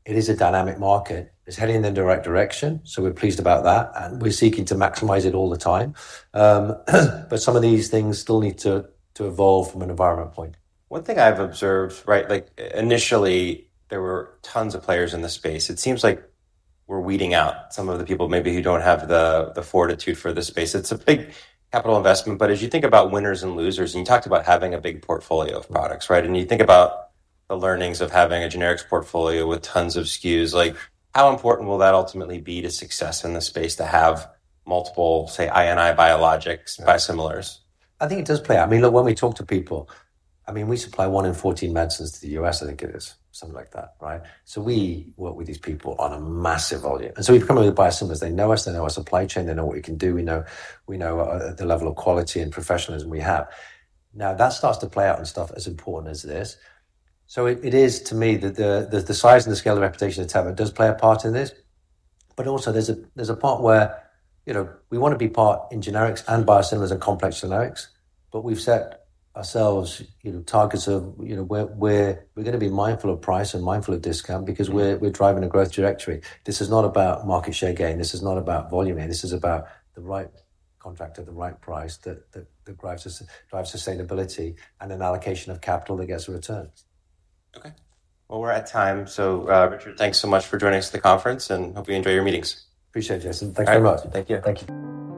it is a dynamic market. It's heading in the direct direction, so we're pleased about that, and we're seeking to maximize it all the time. but some of these things still need to evolve from an environment point. One thing I've observed, right, like initially, there were tons of players in the space. It seems like we're weeding out some of the people maybe who don't have the fortitude for the space. It's a big capital investment, but as you think about winners and losers, and you talked about having a big portfolio of products, right? And you think about the learnings of having a generics portfolio with tons of SKUs, like how important will that ultimately be to success in this space, to have multiple, say, INN biologics, biosimilars? I think it does play out. I mean, look, when we talk to people, I mean, we supply one in fourteen medicines to the U.S. I think it is something like that, right? So we work with these people on a massive volume, and so we've come up with biosimilars. They know us, they know our supply chain, they know what we can do. We know, we know the level of quality and professionalism we have. Now, that starts to play out in stuff as important as this. It is to me that the size, scale, and reputation of Teva does play a part in this, but also there's a part where, you know, we want to participate in generics and biosimilars and complex generics, but we've set ourselves, you know, targets of where we're going to be mindful of price and mindful of discount because we're driving a growth trajectory. This is not about market share gain. This is not about volume gain. This is about the right contract at the right price that drives sustainability and an allocation of capital that gets a return. Okay. We're at time. Richard, thanks so much for joining us at the conference, and hope you enjoy your meetings. Appreciate it, Jason. Thanks very much. Thank you. Thank you. ...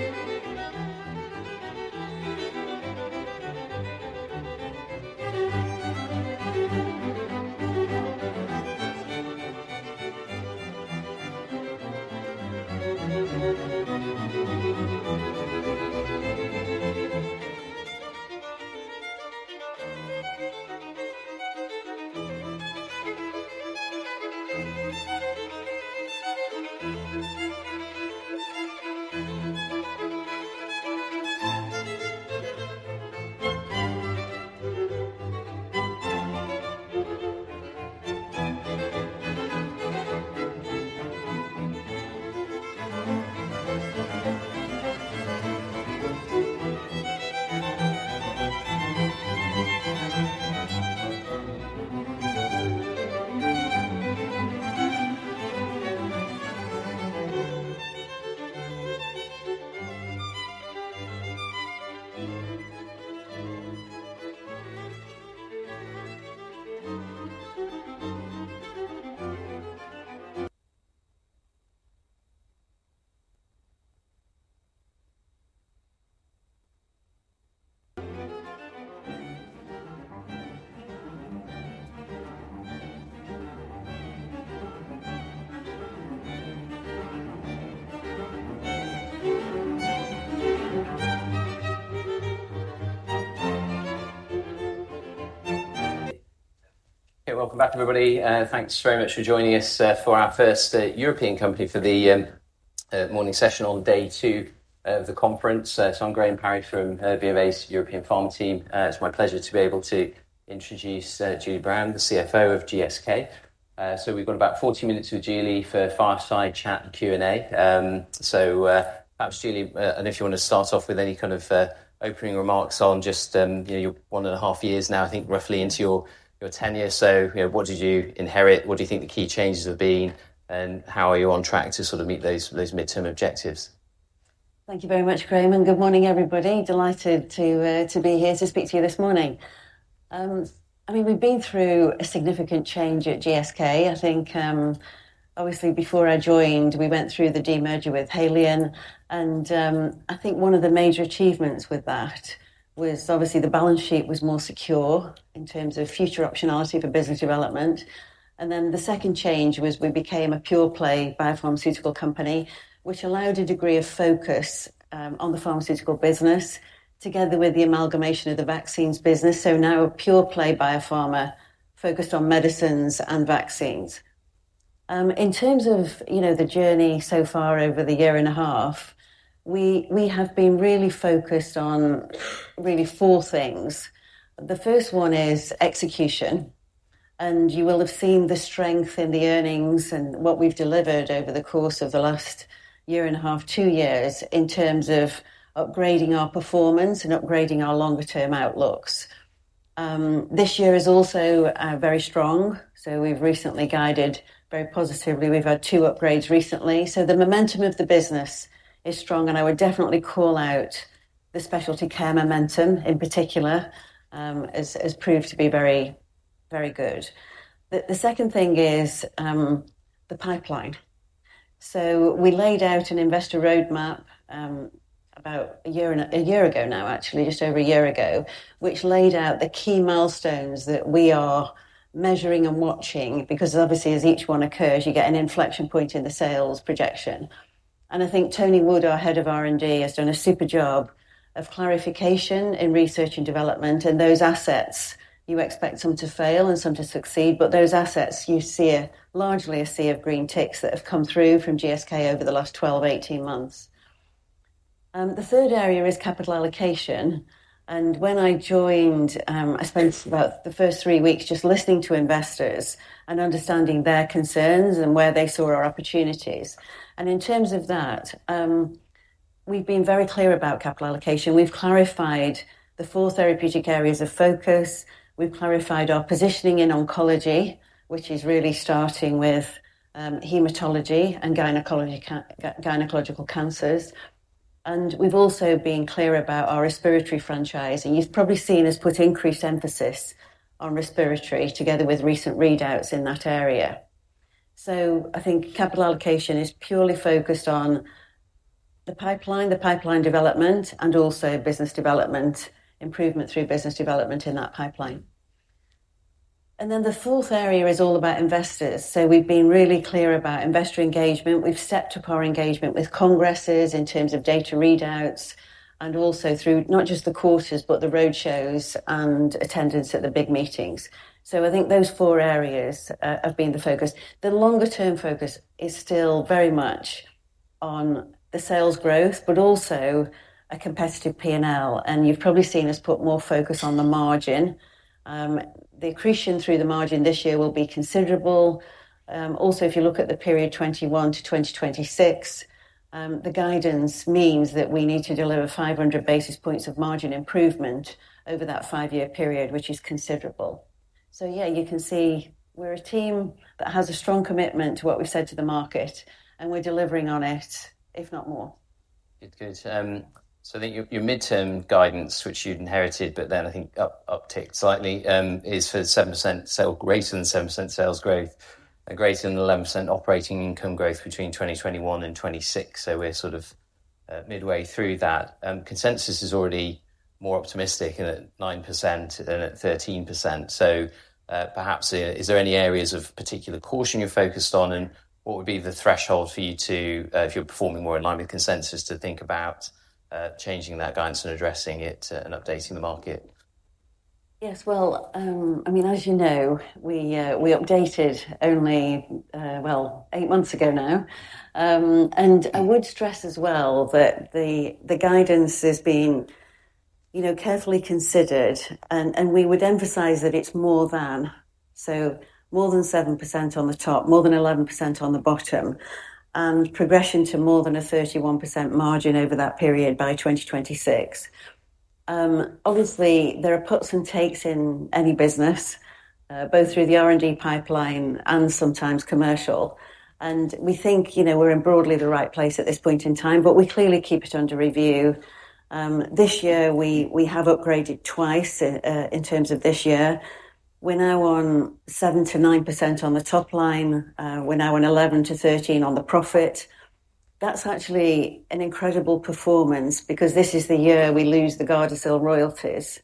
Hey, welcome back, everybody. Thanks very much for joining us for our first European company for the morning session on day two of the conference. So I'm Graham Parry from BofA's European Pharm Team. It's my pleasure to be able to introduce Julie Brown, the CFO of GSK. So we've got about forty minutes with Julie for a fireside chat and Q&A. So perhaps, Julie, I don't know if you want to start off with any kind of opening remarks on just you know, you're one and a half years now, I think, roughly into your tenure. So you know, what did you inherit? What do you think the key changes have been, and how are you on track to sort of meet those midterm objectives? Thank you very much, Graham, and good morning, everybody. Delighted to be here to speak to you this morning. I mean, we've been through a significant change at GSK. I think, obviously, before I joined, we went through the demerger with Haleon, and, I think one of the major achievements with that was obviously the balance sheet was more secure in terms of future optionality for business development. And then the second change was we became a pure-play biopharmaceutical company, which allowed a degree of focus on the pharmaceutical business, together with the amalgamation of the vaccines business. So now a pure-play biopharma focused on medicines and vaccines. In terms of, you know, the journey so far over the year and a half, we have been really focused on really four things. The first one is execution, and you will have seen the strength in the earnings and what we've delivered over the course of the last year and a half, two years, in terms of upgrading our performance and upgrading our longer-term outlooks. This year is also very strong, so we've recently guided very positively. We've had two upgrades recently. So the momentum of the business is strong, and I would definitely call out the specialty care momentum, in particular, as proved to be very, very good. The second thing is the pipeline. So we laid out an investor roadmap about a year ago now, actually, just over a year ago, which laid out the key milestones that we are measuring and watching, because obviously, as each one occurs, you get an inflection point in the sales projection. I think Tony Wood, our head of R&D, has done a super job of clarification in research and development. And those assets, you expect some to fail and some to succeed, but those assets, you see largely a sea of green ticks that have come through from GSK over the last 12 to 18 months. The third area is capital allocation, and when I joined, I spent about the first three weeks just listening to investors and understanding their concerns and where they saw our opportunities. And in terms of that, we've been very clear about capital allocation. We've clarified the four therapeutic areas of focus. We've clarified our positioning in oncology, which is really starting with hematology and gynecology, gynecological cancers. We've also been clear about our respiratory franchise, and you've probably seen us put increased emphasis on respiratory together with recent readouts in that area. So I think capital allocation is purely focused on the pipeline, the pipeline development, and also business development, improvement through business development in that pipeline. Then the fourth area is all about investors. We've been really clear about investor engagement. We've stepped up our engagement with congresses in terms of data readouts and also through not just the quarters, but the roadshows and attendance at the big meetings. Those four areas have been the focus. The longer-term focus is still very much on the sales growth, but also a competitive P&L. You've probably seen us put more focus on the margin. The accretion through the margin this year will be considerable. Also, if you look at the period 2021 to 2026, the guidance means that we need to deliver 500 basis points of margin improvement over that five-year period, which is considerable. So yeah, you can see we're a team that has a strong commitment to what we've said to the market, and we're delivering on it, if not more. Good, good. So then your midterm guidance, which you'd inherited, but then I think upticked slightly, is for 7% sales growth and greater than 7% sales growth and greater than 11% operating income growth between 2021 and 2026. So we're sort of midway through that. Consensus is already more optimistic and at 9% and at 13%. So perhaps, is there any areas of particular caution you're focused on? And what would be the threshold for you to, if you're performing more in line with consensus, to think about changing that guidance and addressing it and updating the market? Yes. Well, I mean, as you know, we updated only eight months ago now. And I would stress as well that the guidance has been, you know, carefully considered, and we would emphasize that it's more than, so more than 7% on the top, more than 11% on the bottom, and progression to more than a 31% margin over that period by 2026. Obviously, there are puts and takes in any business, both through the R&D pipeline and sometimes commercial. And we think, you know, we're in broadly the right place at this point in time, but we clearly keep it under review. This year, we have upgraded twice, in terms of this year. We're now on 7% to 9% on the top line. We're now on 11-13 on the profit. That's actually an incredible performance because this is the year we lose the Gardasil royalties.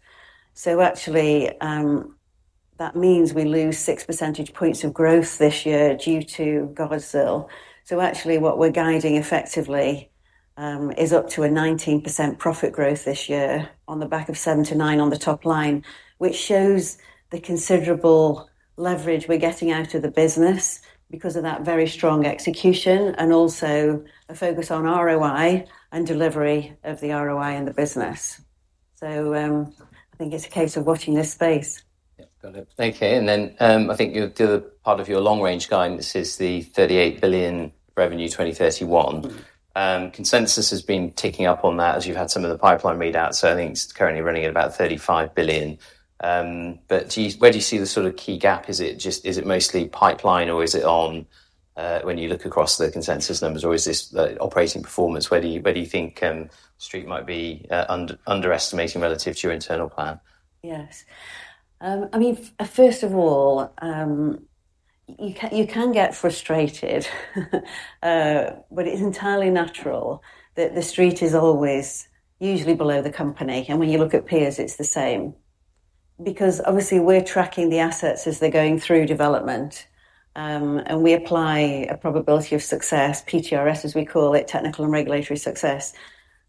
So actually, that means we lose six percentage points of growth this year due to Gardasil. So actually, what we're guiding effectively is up to a 19% profit growth this year on the back of 7-9 on the top line, which shows the considerable leverage we're getting out of the business because of that very strong execution and also a focus on ROI and delivery of the ROI in the business. So, I think it's a case of watching this space. Yeah. Got it. Okay. And then, I think the other part of your long-range guidance is the $38 billion revenue 2031. Consensus has been ticking up on that as you've had some of the pipeline read out, so I think it's currently running at about $35 billion. But do you, where do you see the sort of key gap? Is it just, is it mostly pipeline or is it on, when you look across the consensus numbers, or is this the operating performance? Where do you, where do you think, Street might be, underestimating relative to your internal plan? Yes. I mean, first of all, you can, you can get frustrated, but it's entirely natural that the Street is always usually below the company. And when you look at peers, it's the same. Because obviously we're tracking the assets as they're going through development, and we apply a probability of success, PTRS, as we call it, technical and regulatory success.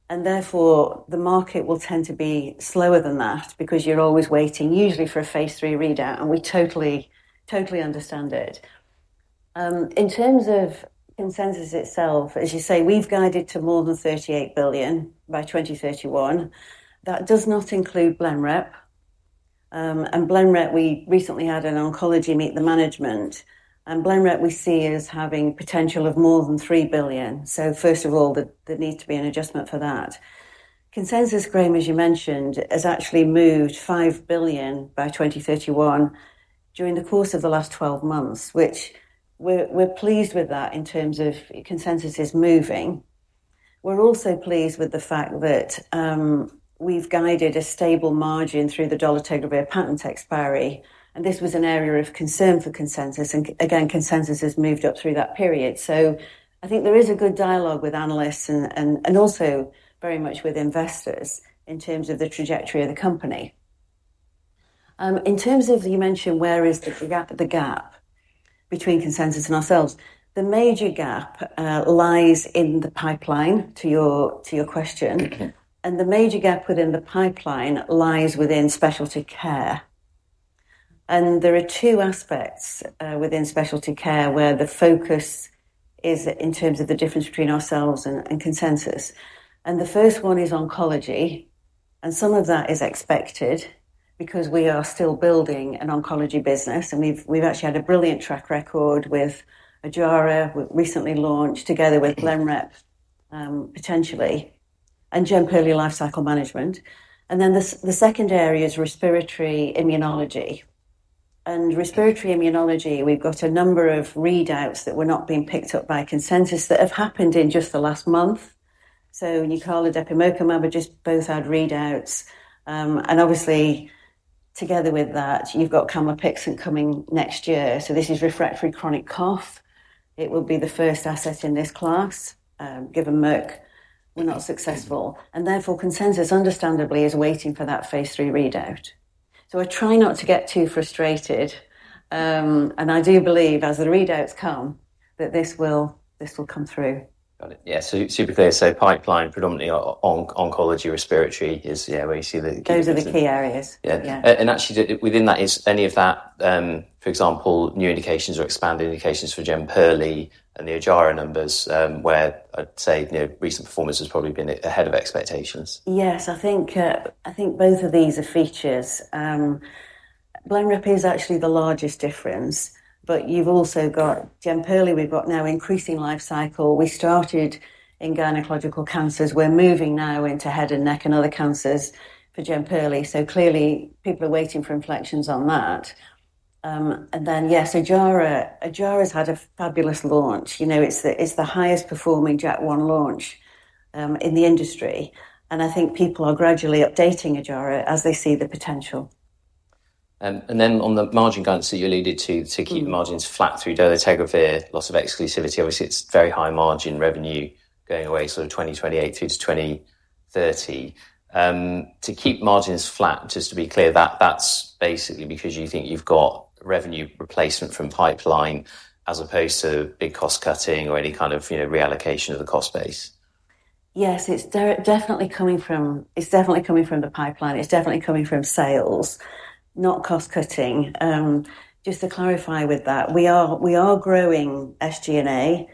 And therefore, the market will tend to be slower than that because you're always waiting, usually for a phase 3 readout, and we totally, totally understand it. In terms of consensus itself, as you say, we've guided to more than $38 billion by 2031. That does not include Blenrep, and Blenrep, we recently had an oncology meet the management, and Blenrep we see as having potential of more than $3 billion. First of all, there needs to be an adjustment for that. Consensus, Graham, as you mentioned, has actually moved $5 billion by 2031 during the course of the last twelve months, which we're pleased with that in terms of consensus is moving. We're also pleased with the fact that we've guided a stable margin through the dolutegravir patent expiry, and this was an area of concern for consensus, and again, consensus has moved up through that period. I think there is a good dialogue with analysts and also very much with investors in terms of the trajectory of the company. In terms of you mentioned, where is the gap, the gap between consensus and ourselves? The major gap lies in the pipeline, to your question. Okay. And the major gap within the pipeline lies within specialty care. And there are two aspects within specialty care, where the focus is in terms of the difference between ourselves and consensus. And the first one is oncology, and some of that is expected because we are still building an oncology business, and we've actually had a brilliant track record with Ojjaara. We recently launched together with Blenrep, potentially and generally lifecycle management. And the second area is respiratory immunology. And respiratory immunology, we've got a number of readouts that were not being picked up by consensus that have happened in just the last month. So Nucala, Depemokamab, have just both had readouts. And obviously, together with that, you've got Camipixant coming next year. So this is refractory chronic cough. It will be the first asset in this class, given Merck were not successful, and therefore, consensus, understandably, is waiting for that phase 3 readout. I try not to get too frustrated, and I do believe as the readouts come, that this will come through. Got it. Yeah, so super clear. So pipeline, predominantly on oncology, respiratory is, yeah, where you see the- Those are the key areas. Yeah. Yeah. Actually within that, is any of that, for example, new indications or expanded indications for Jemperli and the Ojjaara numbers, where I'd say, you know, recent performance has probably been ahead of expectations? Yes, I think both of these are features. Blenrep is actually the largest difference, but you've also got Jemperli. We've got now increasing life cycle. We started in gynecological cancers. We're moving now into head and neck and other cancers for Jemperli. So clearly people are waiting for inflections on that. And then, yes, Ojjaara, Ojjaara's had a fabulous launch. You know, it's the highest performing JAK1 launch, in the industry, and I think people are gradually updating Ojjaara as they see the potential. And then on the margin guidance that you alluded to, to keep margins flat through dolutegravir, loss of exclusivity. Obviously, it's very high margin revenue going away sort of 2028 through to 2030. To keep margins flat, just to be clear, that, that's basically because you think you've got revenue replacement from pipeline as opposed to big cost cutting or any kind of, you know, reallocation of the cost base? Yes, it's definitely coming from the pipeline. It's definitely coming from sales, not cost cutting. Just to clarify with that, we are growing SG&A,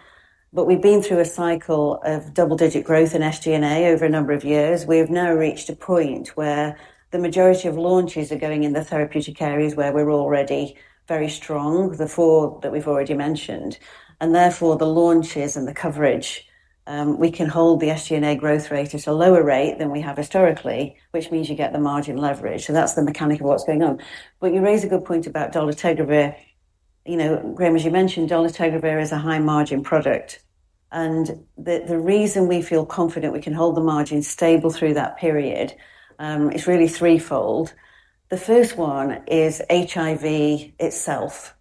but we've been through a cycle of double-digit growth in SG&A over a number of years. We have now reached a point where the majority of launches are going in the therapeutic areas, where we're already very strong, the four that we've already mentioned, and therefore the launches and the coverage, we can hold the SG&A growth rate at a lower rate than we have historically, which means you get the margin leverage. So that's the mechanic of what's going on. But you raise a good point about dolutegravir. You know, Graham, as you mentioned, dolutegravir is a high-margin product, and the reason we feel confident we can hold the margin stable through that period is really threefold. The first one is HIV itself,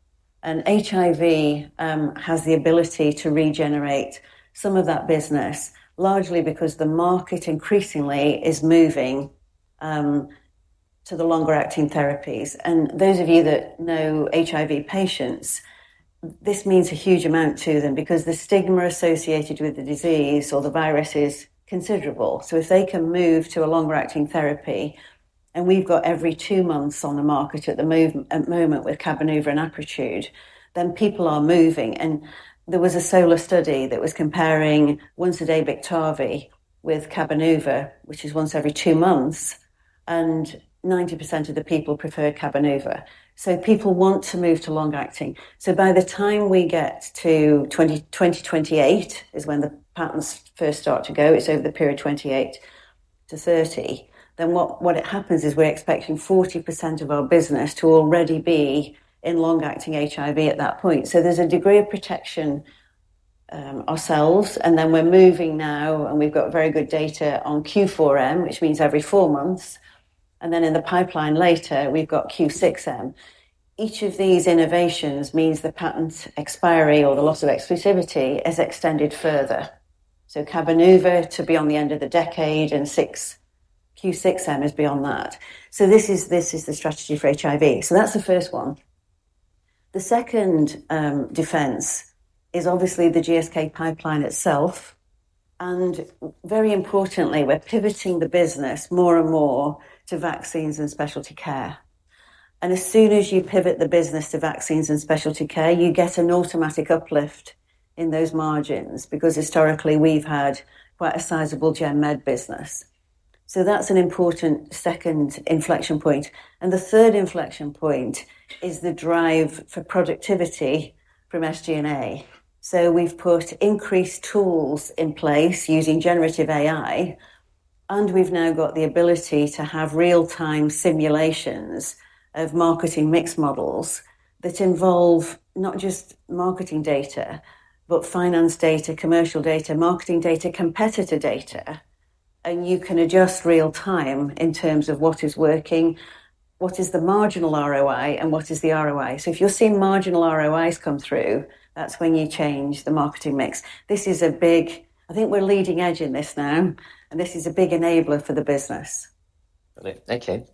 and HIV has the ability to regenerate some of that business, largely because the market increasingly is moving to the longer-acting therapies, and those of you that know HIV patients, this means a huge amount to them because the stigma associated with the disease or the virus is considerable, so if they can move to a longer-acting therapy, and we've got every two months on the market at the moment with Cabenuva and Apretude, then people are moving, and there was a SOLAR study that was comparing once-a-day Biktarvy with Cabenuva, which is once every two months, and 90% of the people preferred Cabenuva. So people want to move to long-acting. So by the time we get to 2028, is when the patents first start to go. It's over the period 2028 to 2030, then what happens is we're expecting 40% of our business to already be in long-acting HIV at that point. So there's a degree of protection, ourselves, and then we're moving now, and we've got very good data on Q4M, which means every four months, and then in the pipeline later, we've got Q6M. Each of these innovations means the patent expiry or the loss of exclusivity is extended further. So Cabenuva to be on the end of the decade and six, Q6M is beyond that. So this is the strategy for HIV. So that's the first one. The second defense is obviously the GSK pipeline itself, and very importantly, we're pivoting the business more and more to vaccines and specialty care. And as soon as you pivot the business to vaccines and specialty care, you get an automatic uplift in those margins, because historically we've had quite a sizable gen med business. So that's an important second inflection point. And the third inflection point is the drive for productivity from SG&A. So we've put increased tools in place using generative AI, and we've now got the ability to have real-time simulations of marketing mix models that involve not just marketing data, but finance data, commercial data, marketing data, competitor data, and you can adjust real-time in terms of what is working, what is the marginal ROI, and what is the ROI. So if you're seeing marginal ROIs come through, that's when you change the marketing mix. This is a big... I think we're leading edge in this now, and this is a big enabler for the business. Okay.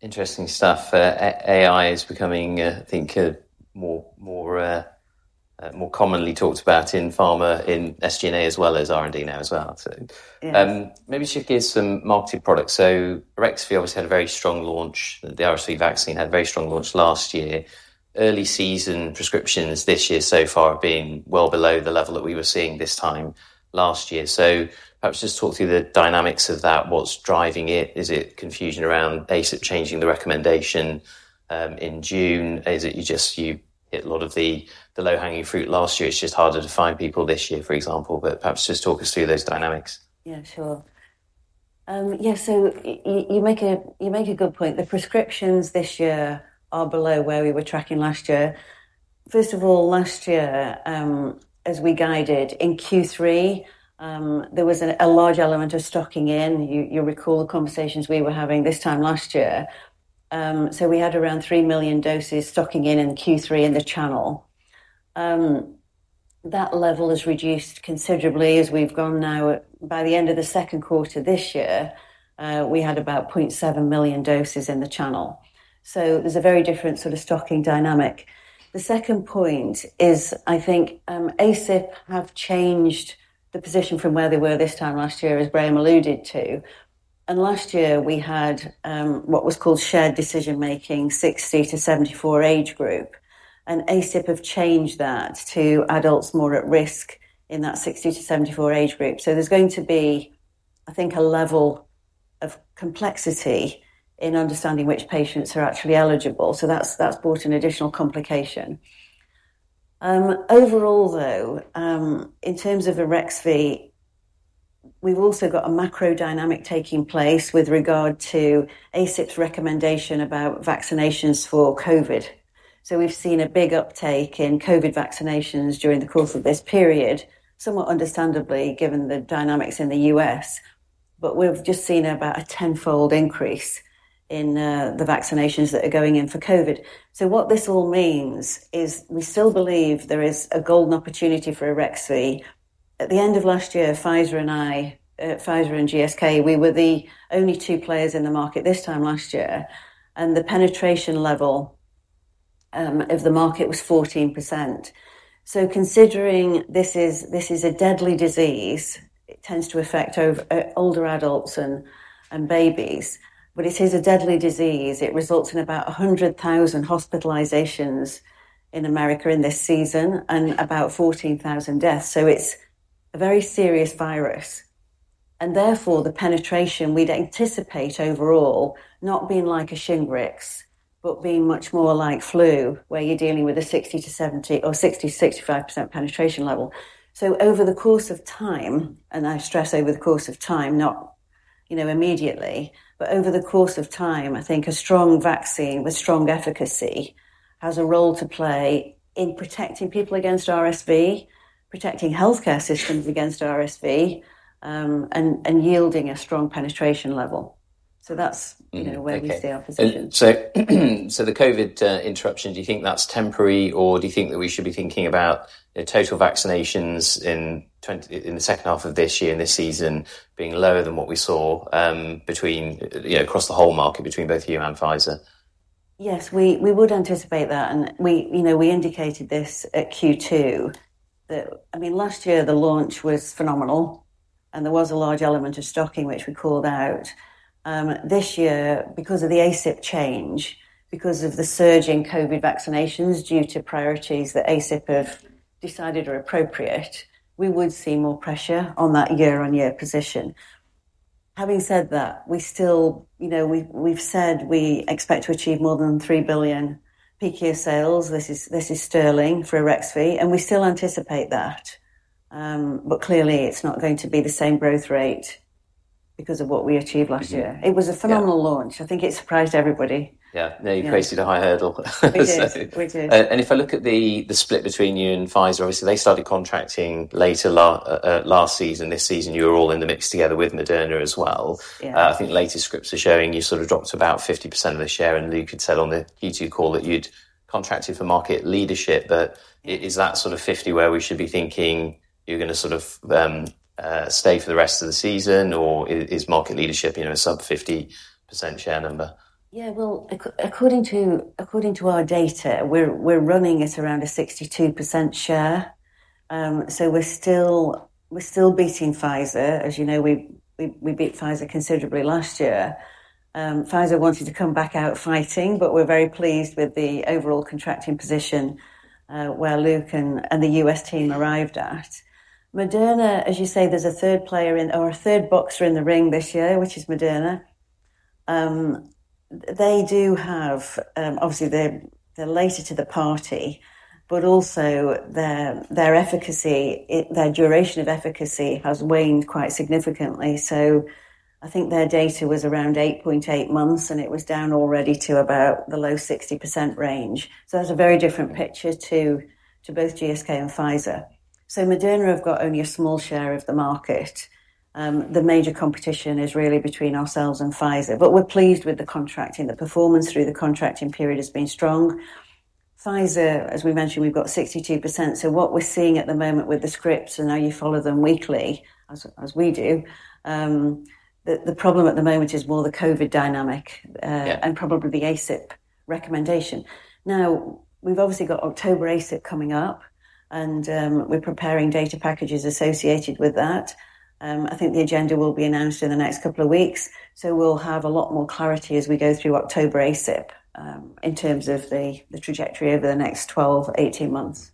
Interesting stuff. AI is becoming, I think, more commonly talked about in pharma, in SG&A as well as R&D now as well, so. Yes. Maybe just give some marketed products. So Arexvy obviously had a very strong launch. The RSV vaccine had a very strong launch last year. Early season prescriptions this year so far have been well below the level that we were seeing this time last year. So perhaps just talk through the dynamics of that. What's driving it? Is it confusion around ACIP changing the recommendation in June? Is it you just, you hit a lot of the low-hanging fruit last year, it's just harder to find people this year, for example, but perhaps just talk us through those dynamics. Yeah, sure. Yeah, so you make a good point. The prescriptions this year are below where we were tracking last year. First of all, last year, as we guided in Q3, there was a large element of stocking in. You recall the conversations we were having this time last year. So we had around three million doses stocking in in Q3 in the channel. That level has reduced considerably as we've gone now. By the end of the second quarter this year, we had about 0.7 million doses in the channel. So there's a very different sort of stocking dynamic. The second point is, I think, ACIP have changed the position from where they were this time last year, as Brian alluded to. Last year we had what was called shared decision-making, 60 to 74 age group, and ACIP have changed that to adults more at risk in that 60 to 74 age group. So there's going to be, I think, a level of complexity in understanding which patients are actually eligible. So that's brought an additional complication. Overall, though, in terms of Arexvy, we've also got a macro dynamic taking place with regard to ACIP's recommendation about vaccinations for COVID. So we've seen a big uptake in COVID vaccinations during the course of this period, somewhat understandably, given the dynamics in the U.S., but we've just seen about a tenfold increase in the vaccinations that are going in for COVID. So what this all means is we still believe there is a golden opportunity for Arexvy. At the end of last year, Pfizer and GSK, we were the only two players in the market this time last year, and the penetration level of the market was 14%. So considering this is a deadly disease, it tends to affect over older adults and babies, but it is a deadly disease. It results in about 100,000 hospitalizations in America in this season and about 14,000 deaths. So it's a very serious virus, and therefore the penetration we'd anticipate overall, not being like a Shingrix, but being much more like flu, where you're dealing with a 60-70% or 60-65% penetration level. So over the course of time, and I stress over the course of time, not, you know, immediately, but over the course of time, I think a strong vaccine with strong efficacy has a role to play in protecting people against RSV, protecting healthcare systems against RSV, and yielding a strong penetration level. So that's- Mm-hmm. You know, where we see our position. The COVID interruption, do you think that's temporary, or do you think that we should be thinking about the total vaccinations in the second half of this year, and this season being lower than what we saw, you know, across the whole market, between both you and Pfizer? Yes, we would anticipate that, and we, you know, we indicated this at Q2, that I mean, last year the launch was phenomenal, and there was a large element of stocking, which we called out. This year, because of the ACIP change, because of the surge in COVID vaccinations due to priorities that ACIP have decided are appropriate, we would see more pressure on that year-on-year position. Having said that, we still, you know, we've said we expect to achieve more than 3 billion peak year sales. This is sterling for Arexvy, and we still anticipate that. But clearly, it's not going to be the same growth rate because of what we achieved last year. Mm-hmm. It was a phenomenal launch. Yeah. I think it surprised everybody. Yeah. Yeah. Now you've created a high hurdle. We did. We did. And if I look at the split between you and Pfizer, obviously, they started contracting later last season. This season, you were all in the mix together with Moderna as well. Yeah. I think latest scripts are showing you sort of dropped to about 50% of the share, and Luke had said on the Q2 call that you'd contracted for market leadership. But is that sort of 50% where we should be thinking you're gonna sort of stay for the rest of the season, or is market leadership, you know, a sub-50% share number? Yeah, well, according to our data, we're running at around a 62% share. So we're still beating Pfizer. As you know, we beat Pfizer considerably last year. Pfizer wanted to come back out fighting, but we're very pleased with the overall contracting position where Luke and the US team arrived at. Moderna, as you say, there's a third player in or a third boxer in the ring this year, which is Moderna. They do have, obviously, they're later to the party, but also their efficacy, their duration of efficacy has waned quite significantly. So I think their data was around 8.8 months, and it was down already to about the low 60% range. So that's a very different picture to both GSK and Pfizer. So Moderna have got only a small share of the market. The major competition is really between ourselves and Pfizer, but we're pleased with the contracting. The performance through the contracting period has been strong. Pfizer, as we mentioned, we've got 62%. So what we're seeing at the moment with the scripts, I know you follow them weekly, as we do. The problem at the moment is more the COVID dynamic. Yeah... and probably the ACIP recommendation. Now, we've obviously got October ACIP coming up, and, we're preparing data packages associated with that. I think the agenda will be announced in the next couple of weeks, so we'll have a lot more clarity as we go through October ACIP, in terms of the trajectory over the next twelve, eighteen months.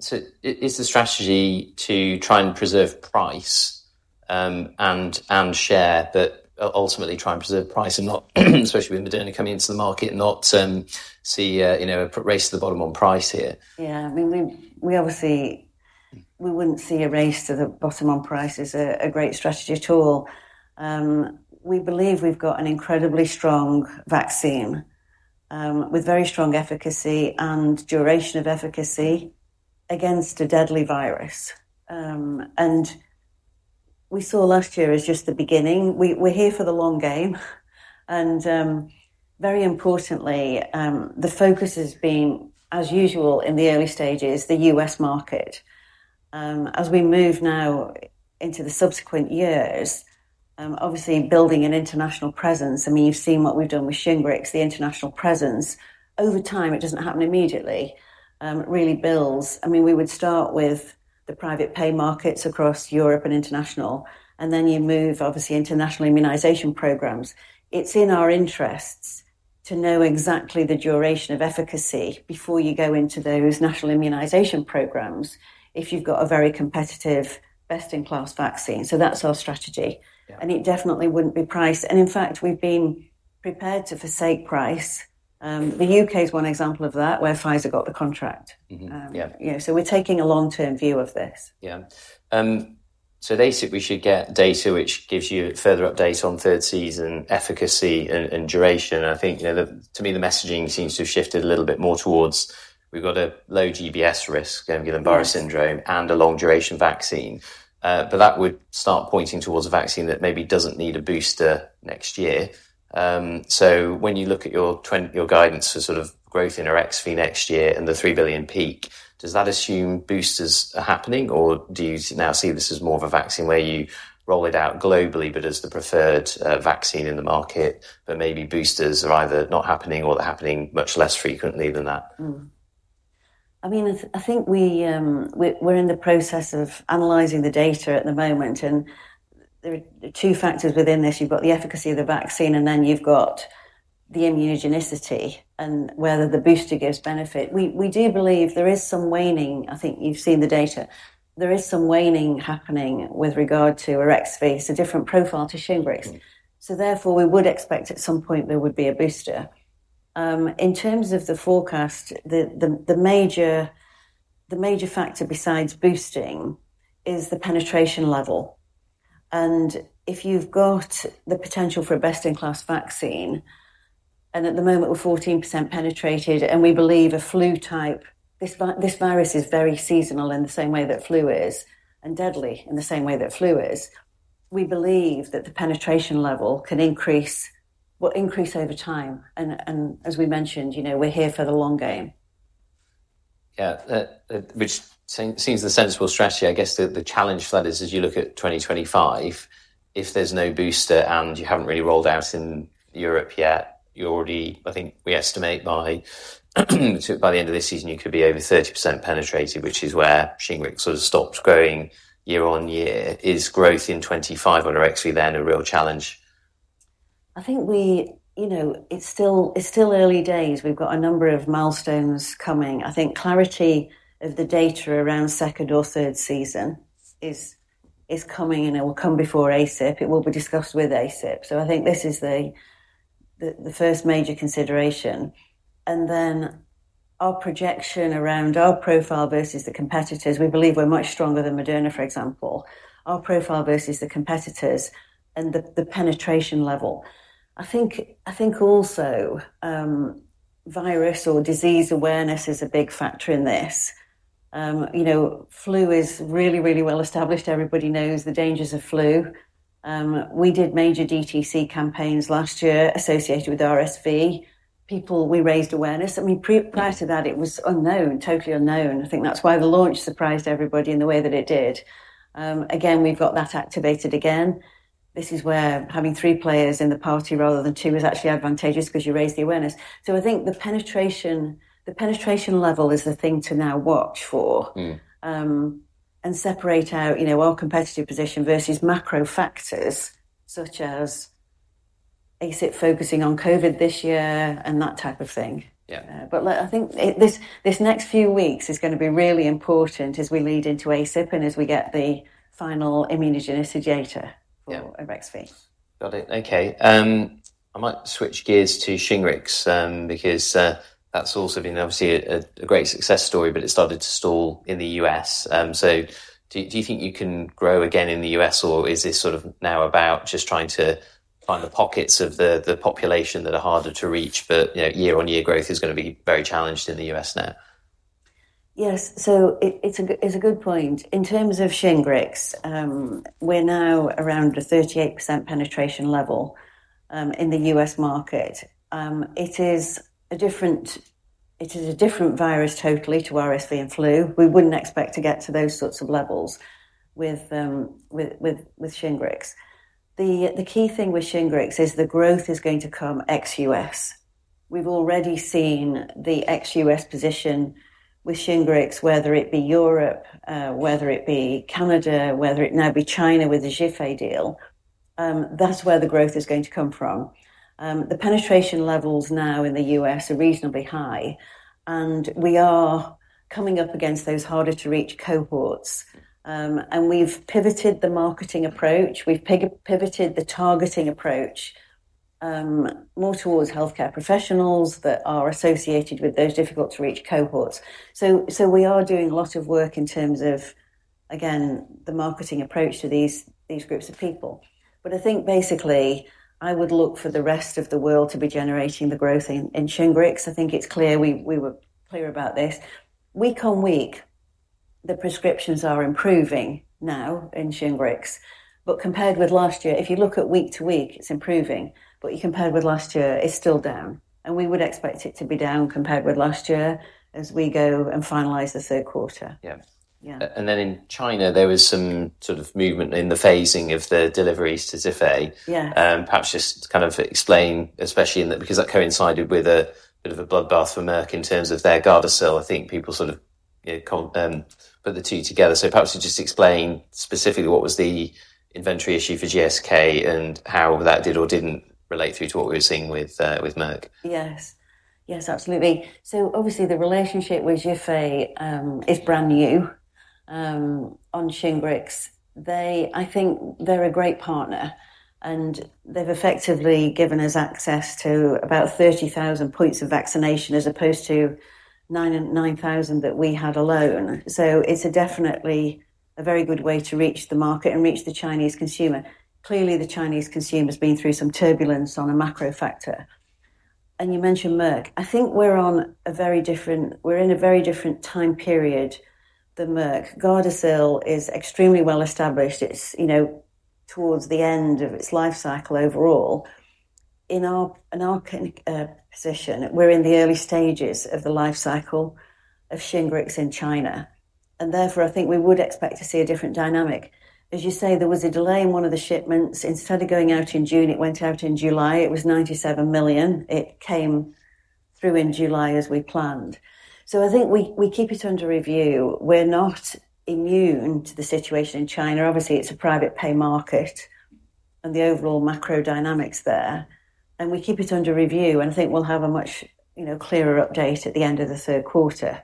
So, is the strategy to try and preserve price and share, but ultimately try and preserve price and not, especially with Moderna coming into the market, see you know a race to the bottom on price here? Yeah. I mean, we obviously wouldn't see a race to the bottom on price as a great strategy at all. We believe we've got an incredibly strong vaccine with very strong efficacy and duration of efficacy against a deadly virus. We saw last year as just the beginning. We're here for the long game, and very importantly, the focus has been, as usual, in the early stages, the U.S. market. As we move now into the subsequent years, obviously building an international presence, I mean, you've seen what we've done with Shingrix, the international presence. Over time, it doesn't happen immediately, it really builds. I mean, we would start with the private pay markets across Europe and international, and then you move obviously international immunization programs. It's in our interests to know exactly the duration of efficacy before you go into those national immunization programs if you've got a very competitive, best-in-class vaccine. So that's our strategy. Yeah. It definitely wouldn't be price. In fact, we've been prepared to forsake price. The UK is one example of that, where Pfizer got the contract. Mm-hmm. Yeah. Yeah. So we're taking a long-term view of this. Yeah. So basically, we should get data which gives you further updates on third season efficacy and duration. I think, you know, to me, the messaging seems to have shifted a little bit more towards, we've got a low GBS risk, Guillain-Barré syndrome. Yes... and a long-duration vaccine. But that would start pointing towards a vaccine that maybe doesn't need a booster next year. So when you look at your trend, your guidance for sort of growth in Arexvy next year and the three billion peak, does that assume boosters are happening, or do you now see this as more of a vaccine where you roll it out globally, but as the preferred vaccine in the market, but maybe boosters are either not happening or they're happening much less frequently than that? I mean, I think we're in the process of analyzing the data at the moment, and there are two factors within this. You've got the efficacy of the vaccine, and then you've got the immunogenicity and whether the booster gives benefit. We do believe there is some waning. I think you've seen the data. There is some waning happening with regard to Arexvy. It's a different profile to Shingrix. Mm. So therefore, we would expect at some point there would be a booster. In terms of the forecast, the major factor besides boosting is the penetration level. And if you've got the potential for a best-in-class vaccine, and at the moment we're 14% penetrated, and we believe a flu type... This virus is very seasonal in the same way that flu is, and deadly in the same way that flu is. We believe that the penetration level can increase, will increase over time, and as we mentioned, you know, we're here for the long game. Yeah, which seems the sensible strategy. I guess the challenge for that is as you look at 2025, if there's no booster, and you haven't really rolled out in Europe yet, you already. I think we estimate by the end of this season, you could be over 30% penetrated, which is where Shingrix sort of stops growing year on year. Is growth in 2025 on Arexvy then a real challenge? I think we, you know, it's still early days. We've got a number of milestones coming. I think clarity of the data around second or third season is coming, and it will come before ACIP. It will be discussed with ACIP. So I think this is the first major consideration. And then our projection around our profile versus the competitors, we believe we're much stronger than Moderna, for example. Our profile versus the competitors and the penetration level. I think also virus or disease awareness is a big factor in this. You know, flu is really, really well established. Everybody knows the dangers of flu. We did major DTC campaigns last year associated with RSV. People, we raised awareness. I mean, prior to that, it was unknown, totally unknown. I think that's why the launch surprised everybody in the way that it did. Again, we've got that activated again. This is where having three players in the party rather than two, is actually advantageous because you raise the awareness. So I think the penetration, the penetration level is the thing to now watch for- Mm. and separate out, you know, our competitive position versus macro factors, such as ACIP focusing on COVID this year and that type of thing. Yeah. I think this next few weeks is gonna be really important as we lead into ACIP and as we get the final immunogenicity data. Yeah -for Arexvy. Got it. Okay, I might switch gears to Shingrix, because that's also been obviously a great success story, but it started to stall in the US. So do you think you can grow again in the US, or is this sort of now about just trying to find the pockets of the population that are harder to reach, but you know, year-on-year growth is gonna be very challenged in the US now? Yes. So it's a good point. In terms of Shingrix, we're now around a 38% penetration level in the U.S. market. It is a different virus totally to RSV and flu. We wouldn't expect to get to those sorts of levels with Shingrix. The key thing with Shingrix is the growth is going to come ex-U.S. We've already seen the ex-U.S. position with Shingrix, whether it be Europe, whether it be Canada, whether it now be China with the Zhifei deal, that's where the growth is going to come from. The penetration levels now in the U.S. are reasonably high, and we are coming up against those harder-to-reach cohorts. And we've pivoted the marketing approach, we've pivoted the targeting approach, more towards healthcare professionals that are associated with those difficult-to-reach cohorts. So we are doing a lot of work in terms of, again, the marketing approach to these groups of people. But I think basically, I would look for the rest of the world to be generating the growth in Shingrix. I think it's clear, we were clear about this. Week on week, the prescriptions are improving now in Shingrix. But compared with last year, if you look at week to week, it's improving, but you compare with last year, it's still down, and we would expect it to be down compared with last year as we go and finalize the third quarter. Yeah. Yeah. And then in China, there was some sort of movement in the phasing of the deliveries to Zhifei. Yeah. Perhaps just to kind of explain, especially in that, because that coincided with a bit of a bloodbath for Merck in terms of their Gardasil. I think people sort of, you know, connect put the two together. So perhaps just explain specifically what was the inventory issue for GSK and how that did or didn't relate through to what we were seeing with, with Merck. Yes. Yes, absolutely. So obviously, the relationship with Zhifei is brand new on Shingrix. They. I think they're a great partner, and they've effectively given us access to about 30,000 points of vaccination, as opposed to 9,000 and 9,000 that we had alone. So it's definitely a very good way to reach the market and reach the Chinese consumer. Clearly, the Chinese consumer has been through some turbulence on a macro factor. And you mentioned Merck. I think we're on a very different. We're in a very different time period than Merck. Gardasil is extremely well established. It's, you know, towards the end of its life cycle overall. In our position, we're in the early stages of the life cycle of Shingrix in China, and therefore, I think we would expect to see a different dynamic. As you say, there was a delay in one of the shipments. Instead of going out in June, it went out in July. It was $97 million. It came through in July as we planned. So I think we keep it under review. We're not immune to the situation in China. Obviously, it's a private pay market and the overall macro dynamics there, and we keep it under review, and I think we'll have a much, you know, clearer update at the end of the third quarter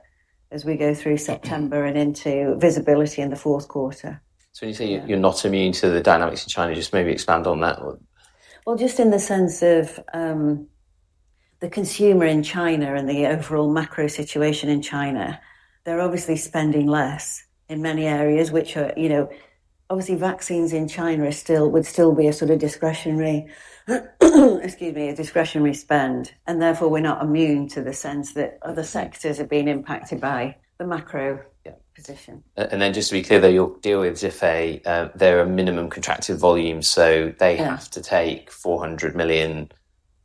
as we go through September and into visibility in the fourth quarter. When you say- Yeah. You're not immune to the dynamics in China, just maybe expand on that. Well, just in the sense of, the consumer in China and the overall macro situation in China, they're obviously spending less in many areas, which are, you know, obviously vaccines in China are still, would still be a sort of discretionary, excuse me, a discretionary spend. And therefore, we're not immune to the sense that other sectors have been impacted by the macro- Yeah... position. And then just to be clear, though, your deal with Zhifei, there are minimum contracted volumes, so they- Yeah -have to take $400 million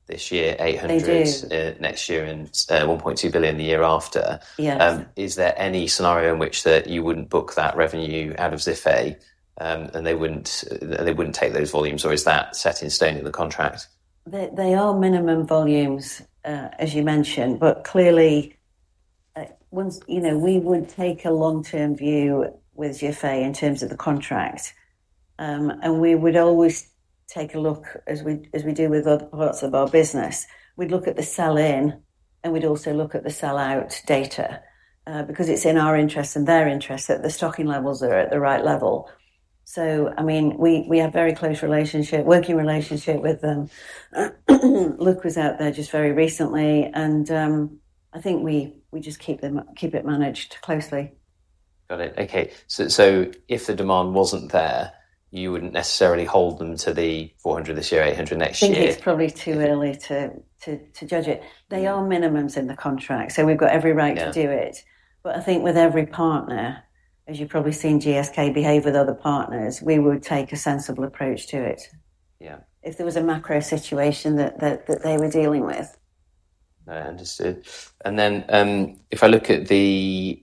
this year, $800- They do... next year, and $1.2 billion the year after. Yes. Is there any scenario in which you wouldn't book that revenue out of Zhifei, and they wouldn't take those volumes, or is that set in stone in the contract? They are minimum volumes, as you mentioned, but clearly, once, you know, we would take a long-term view with Zhifei in terms of the contract, and we would always take a look as we do with other parts of our business. We'd look at the sell-in, and we'd also look at the sell-out data, because it's in our interest and their interest, that the stocking levels are at the right level, so I mean, we have very close relationship, working relationship with them. Luke was out there just very recently, and I think we just keep it managed closely. Got it. Okay. So, if the demand wasn't there, you wouldn't necessarily hold them to the four hundred this year, eight hundred next year? I think it's probably too early to judge it. Yeah. They are minimums in the contract, so we've got every right to do it. Yeah. But I think with every partner, as you've probably seen GSK behave with other partners, we would take a sensible approach to it. Yeah. If there was a macro situation that they were dealing with. Understood. And then, if I look at the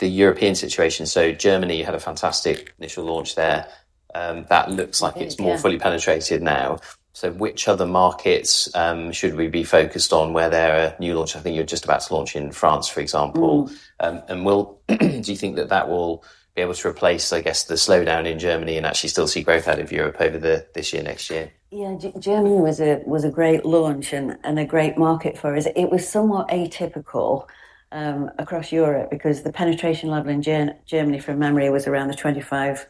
European situation, so Germany had a fantastic initial launch there, that looks like- Yeah... it's more fully penetrated now, so which other markets, should we be focused on where there are new launch? I think you're just about to launch in France, for example. Mm. And will, do you think that that will be able to replace, I guess, the slowdown in Germany and actually still see growth out of Europe over this year, next year? Yeah. Germany was a great launch and a great market for us. It was somewhat atypical across Europe because the penetration level in Germany, from memory, was around the 25,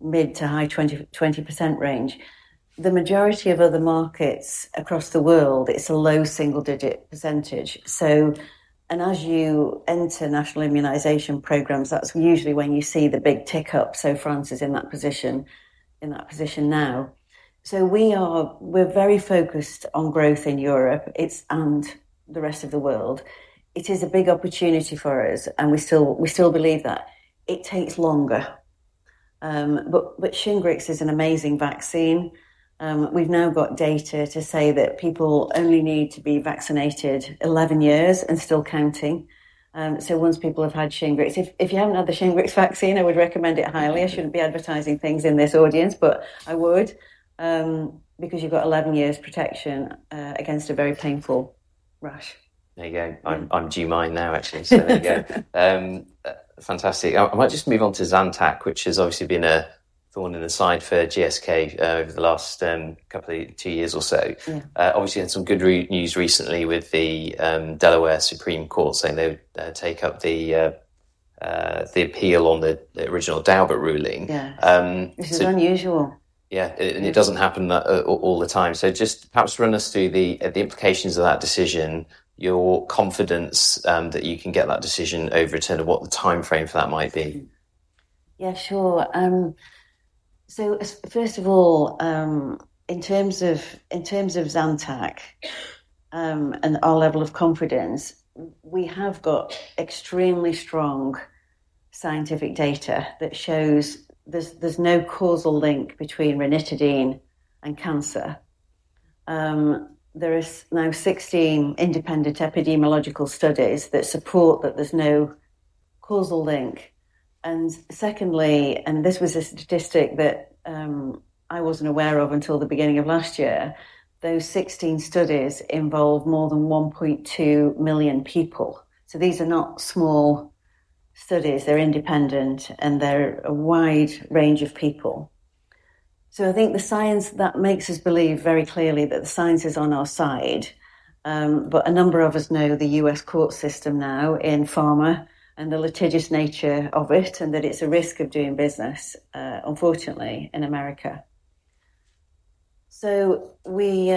mid- to high-20s range. The majority of other markets across the world, it's a low single-digit %. So, and as you enter national immunization programs, that's usually when you see the big tick-up. So France is in that position now. So we are, we're very focused on growth in Europe. It's, and the rest of the world. It is a big opportunity for us, and we still believe that it takes longer. But Shingrix is an amazing vaccine. We've now got data to say that people only need to be vaccinated 11 years and still counting. So once people have had Shingrix... If you haven't had the Shingrix vaccine, I would recommend it highly. I shouldn't be advertising things in this audience, but I would because you've got 11 years protection against a very painful rash. There you go. I'm due mine now, actually. So there you go. Fantastic. I might just move on to Zantac, which has obviously been a thorn in the side for GSK over the last couple, two years or so. Yeah. Obviously, had some good news recently with the Delaware Supreme Court saying they take up the appeal on the original Daubert ruling. Yeah. Um, so- Which is unusual. Yeah, and it doesn't happen that all the time. So just perhaps run us through the implications of that decision, your confidence that you can get that decision overturned, and what the timeframe for that might be? Yeah, sure. So as first of all, in terms of Zantac and our level of confidence, we have got extremely strong scientific data that shows there's no causal link between ranitidine and cancer. There is now 16 independent epidemiological studies that support that there's no causal link. And secondly, and this was a statistic that I wasn't aware of until the beginning of last year. Those 16 studies involved more than 1.2 million people. So these are not small studies. They're independent, and they're a wide range of people. So I think the science that makes us believe very clearly that the science is on our side, but a number of us know the U.S. court system now in pharma and the litigious nature of it, and that it's a risk of doing business, unfortunately, in America. So we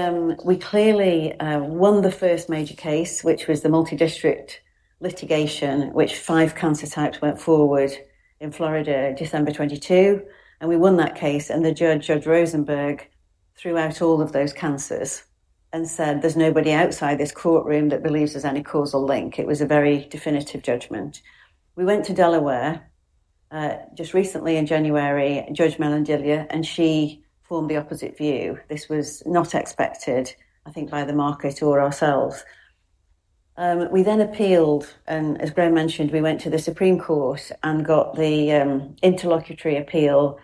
clearly won the first major case, which was the multidistrict litigation, which five cancer types went forward in Florida, December 2022, and we won that case, and the judge, Judge Rosenberg, threw out all of those cancers and said, "There's nobody outside this courtroom that believes there's any causal link." It was a very definitive judgment. We went to Delaware, just recently in January, Judge Medinilla, and she formed the opposite view. This was not expected, I think, by the market or ourselves. We then appealed, and as Graham mentioned, we went to the Supreme Court and got the interlocutory appeal,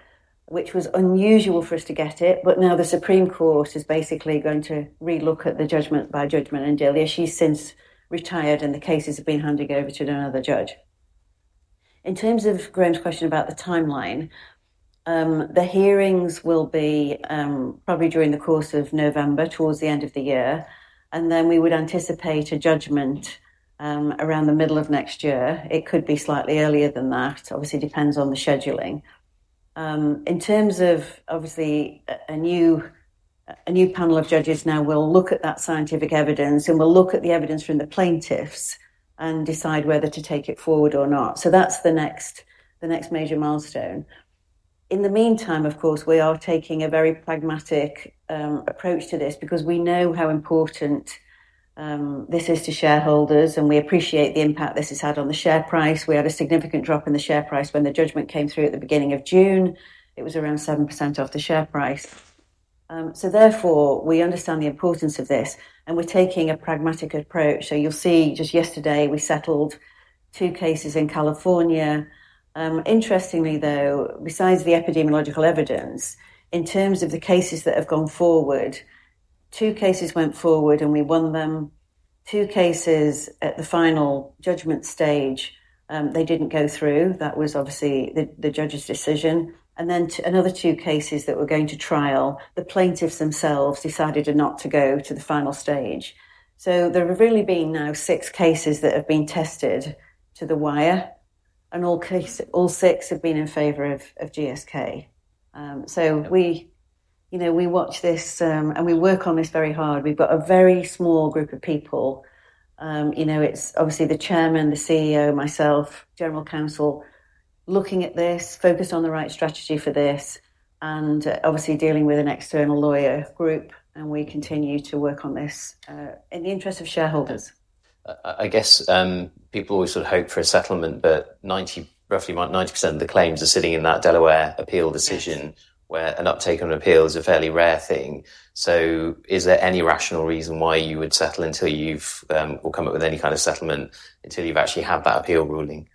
which was unusual for us to get it, but now the Supreme Court is basically going to relook at the judgment by Judge Medinilla. She's since retired, and the cases have been handed over to another judge. In terms of Graham's question about the timeline, the hearings will be probably during the course of November, towards the end of the year, and then we would anticipate a judgment around the middle of next year. It could be slightly earlier than that. Obviously, depends on the scheduling. In terms of obviously a new panel of judges now will look at that scientific evidence and will look at the evidence from the plaintiffs and decide whether to take it forward or not. So that's the next major milestone. In the meantime, of course, we are taking a very pragmatic approach to this because we know how important this is to shareholders, and we appreciate the impact this has had on the share price. We had a significant drop in the share price when the judgment came through at the beginning of June. It was around 7% off the share price. So therefore, we understand the importance of this, and we're taking a pragmatic approach. So you'll see, just yesterday, we settled two cases in California. Interestingly, though, besides the epidemiological evidence, in terms of the cases that have gone forward, two cases went forward, and we won them. Two cases at the final judgment stage, they didn't go through. That was obviously the judge's decision, and then another two cases that were going to trial, the plaintiffs themselves decided not to go to the final stage. So there have really been now six cases that have been tested to the wire, and all six have been in favor of GSK. So we, you know, we watch this, and we work on this very hard. We've got a very small group of people. You know, it's obviously the Chairman, the CEO, myself, general counsel, looking at this, focused on the right strategy for this, and obviously dealing with an external lawyer group, and we continue to work on this in the interest of shareholders. I guess, people always sort of hope for a settlement, but roughly 90% of the claims are sitting in that Delaware appeal decision- Yes. where an uptake on appeal is a fairly rare thing. So is there any rational reason why you would settle until you've, or come up with any kind of settlement until you've actually had that appeal ruling?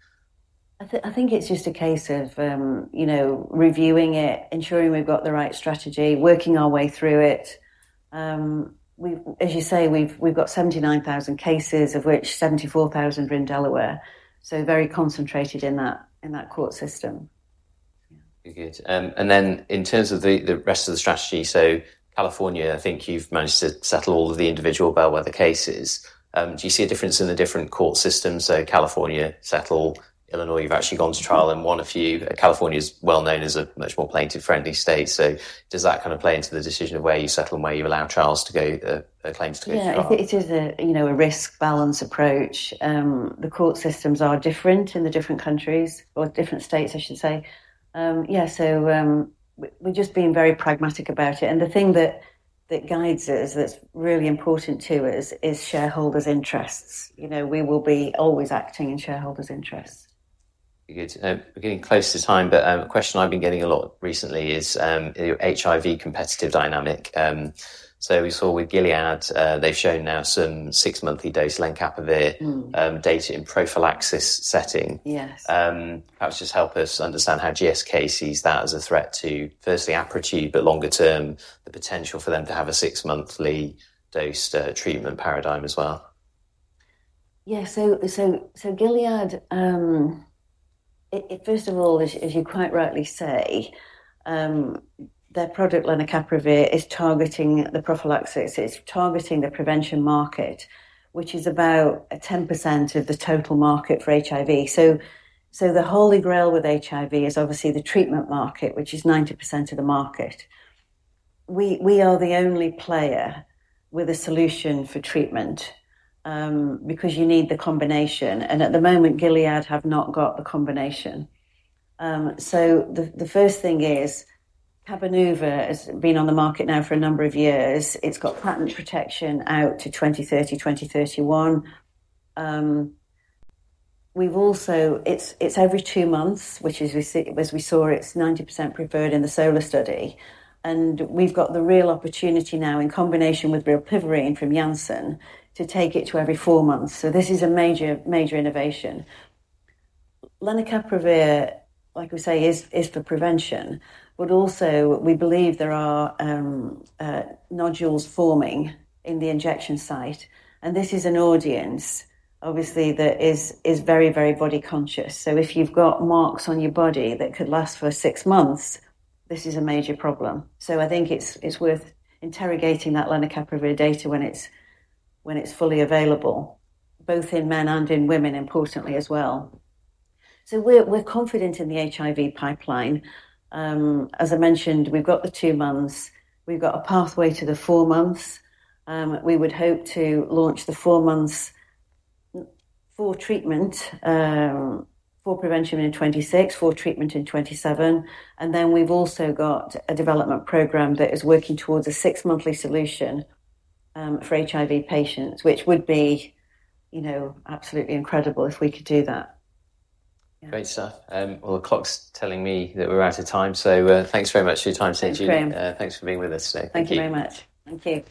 I think it's just a case of, you know, reviewing it, ensuring we've got the right strategy, working our way through it. As you say, we've got 79,000 cases, of which 74,000 are in Delaware, so very concentrated in that court system. Good. And then in terms of the rest of the strategy, so California, I think you've managed to settle all of the individual bellwether cases. Do you see a difference in the different court systems? So California, settle. Illinois, you've actually gone to trial, and won a few. California is well known as a much more plaintiff-friendly state. So does that kind of play into the decision of where you settle and where you allow trials to go, claims to go to trial? Yeah, it is a, you know, a risk-balanced approach. The court systems are different in the different countries or different states, I should say. Yeah, so, we're just being very pragmatic about it, and the thing that guides us, that's really important to us, is shareholders' interests. You know, we will be always acting in shareholders' interests. Good. We're getting close to time, but a question I've been getting a lot recently is your HIV competitive dynamic. So we saw with Gilead, they've shown now some six-monthly dose lenacapavir- Mm. data in prophylaxis setting. Yes. Perhaps just help us understand how GSK sees that as a threat to, firstly, Apretude, but longer term, the potential for them to have a six-monthly dosed, treatment paradigm as well? Yeah. Gilead first of all, as you quite rightly say, their product, Lenacapavir, is targeting the prophylaxis. It's targeting the prevention market, which is about 10% of the total market for HIV, so the holy grail with HIV is obviously the treatment market, which is 90% of the market. We are the only player with a solution for treatment, because you need the combination, and at the moment, Gilead have not got a combination, so the first thing is, Cabenuva has been on the market now for a number of years. It's got patent protection out to 2030, 2031. We've also... It's every two months, which we see, as we saw, it's 90% preferred in the SOLAR study, and we've got the real opportunity now in combination with rilpivirine from Janssen to take it to every four months. So this is a major, major innovation. Lenacapavir, like we say, is for prevention, but also we believe there are nodules forming in the injection site, and this is an audience, obviously, that is very, very body conscious. So if you've got marks on your body that could last for six months, this is a major problem. So I think it's worth interrogating that lenacapavir data when it's fully available, both in men and in women, importantly as well. So we're confident in the HIV pipeline. As I mentioned, we've got the two months, we've got a pathway to the four months. We would hope to launch the four months for treatment, for prevention in 2026, for treatment in 2027, and then we've also got a development program that is working towards a six-monthly solution, for HIV patients, which would be, you know, absolutely incredible if we could do that. Great stuff. Well, the clock's telling me that we're out of time, so, thanks very much for your time today, Julie. Thanks, Graham. Thanks for being with us today. Thank you. Thank you very much. Thank you.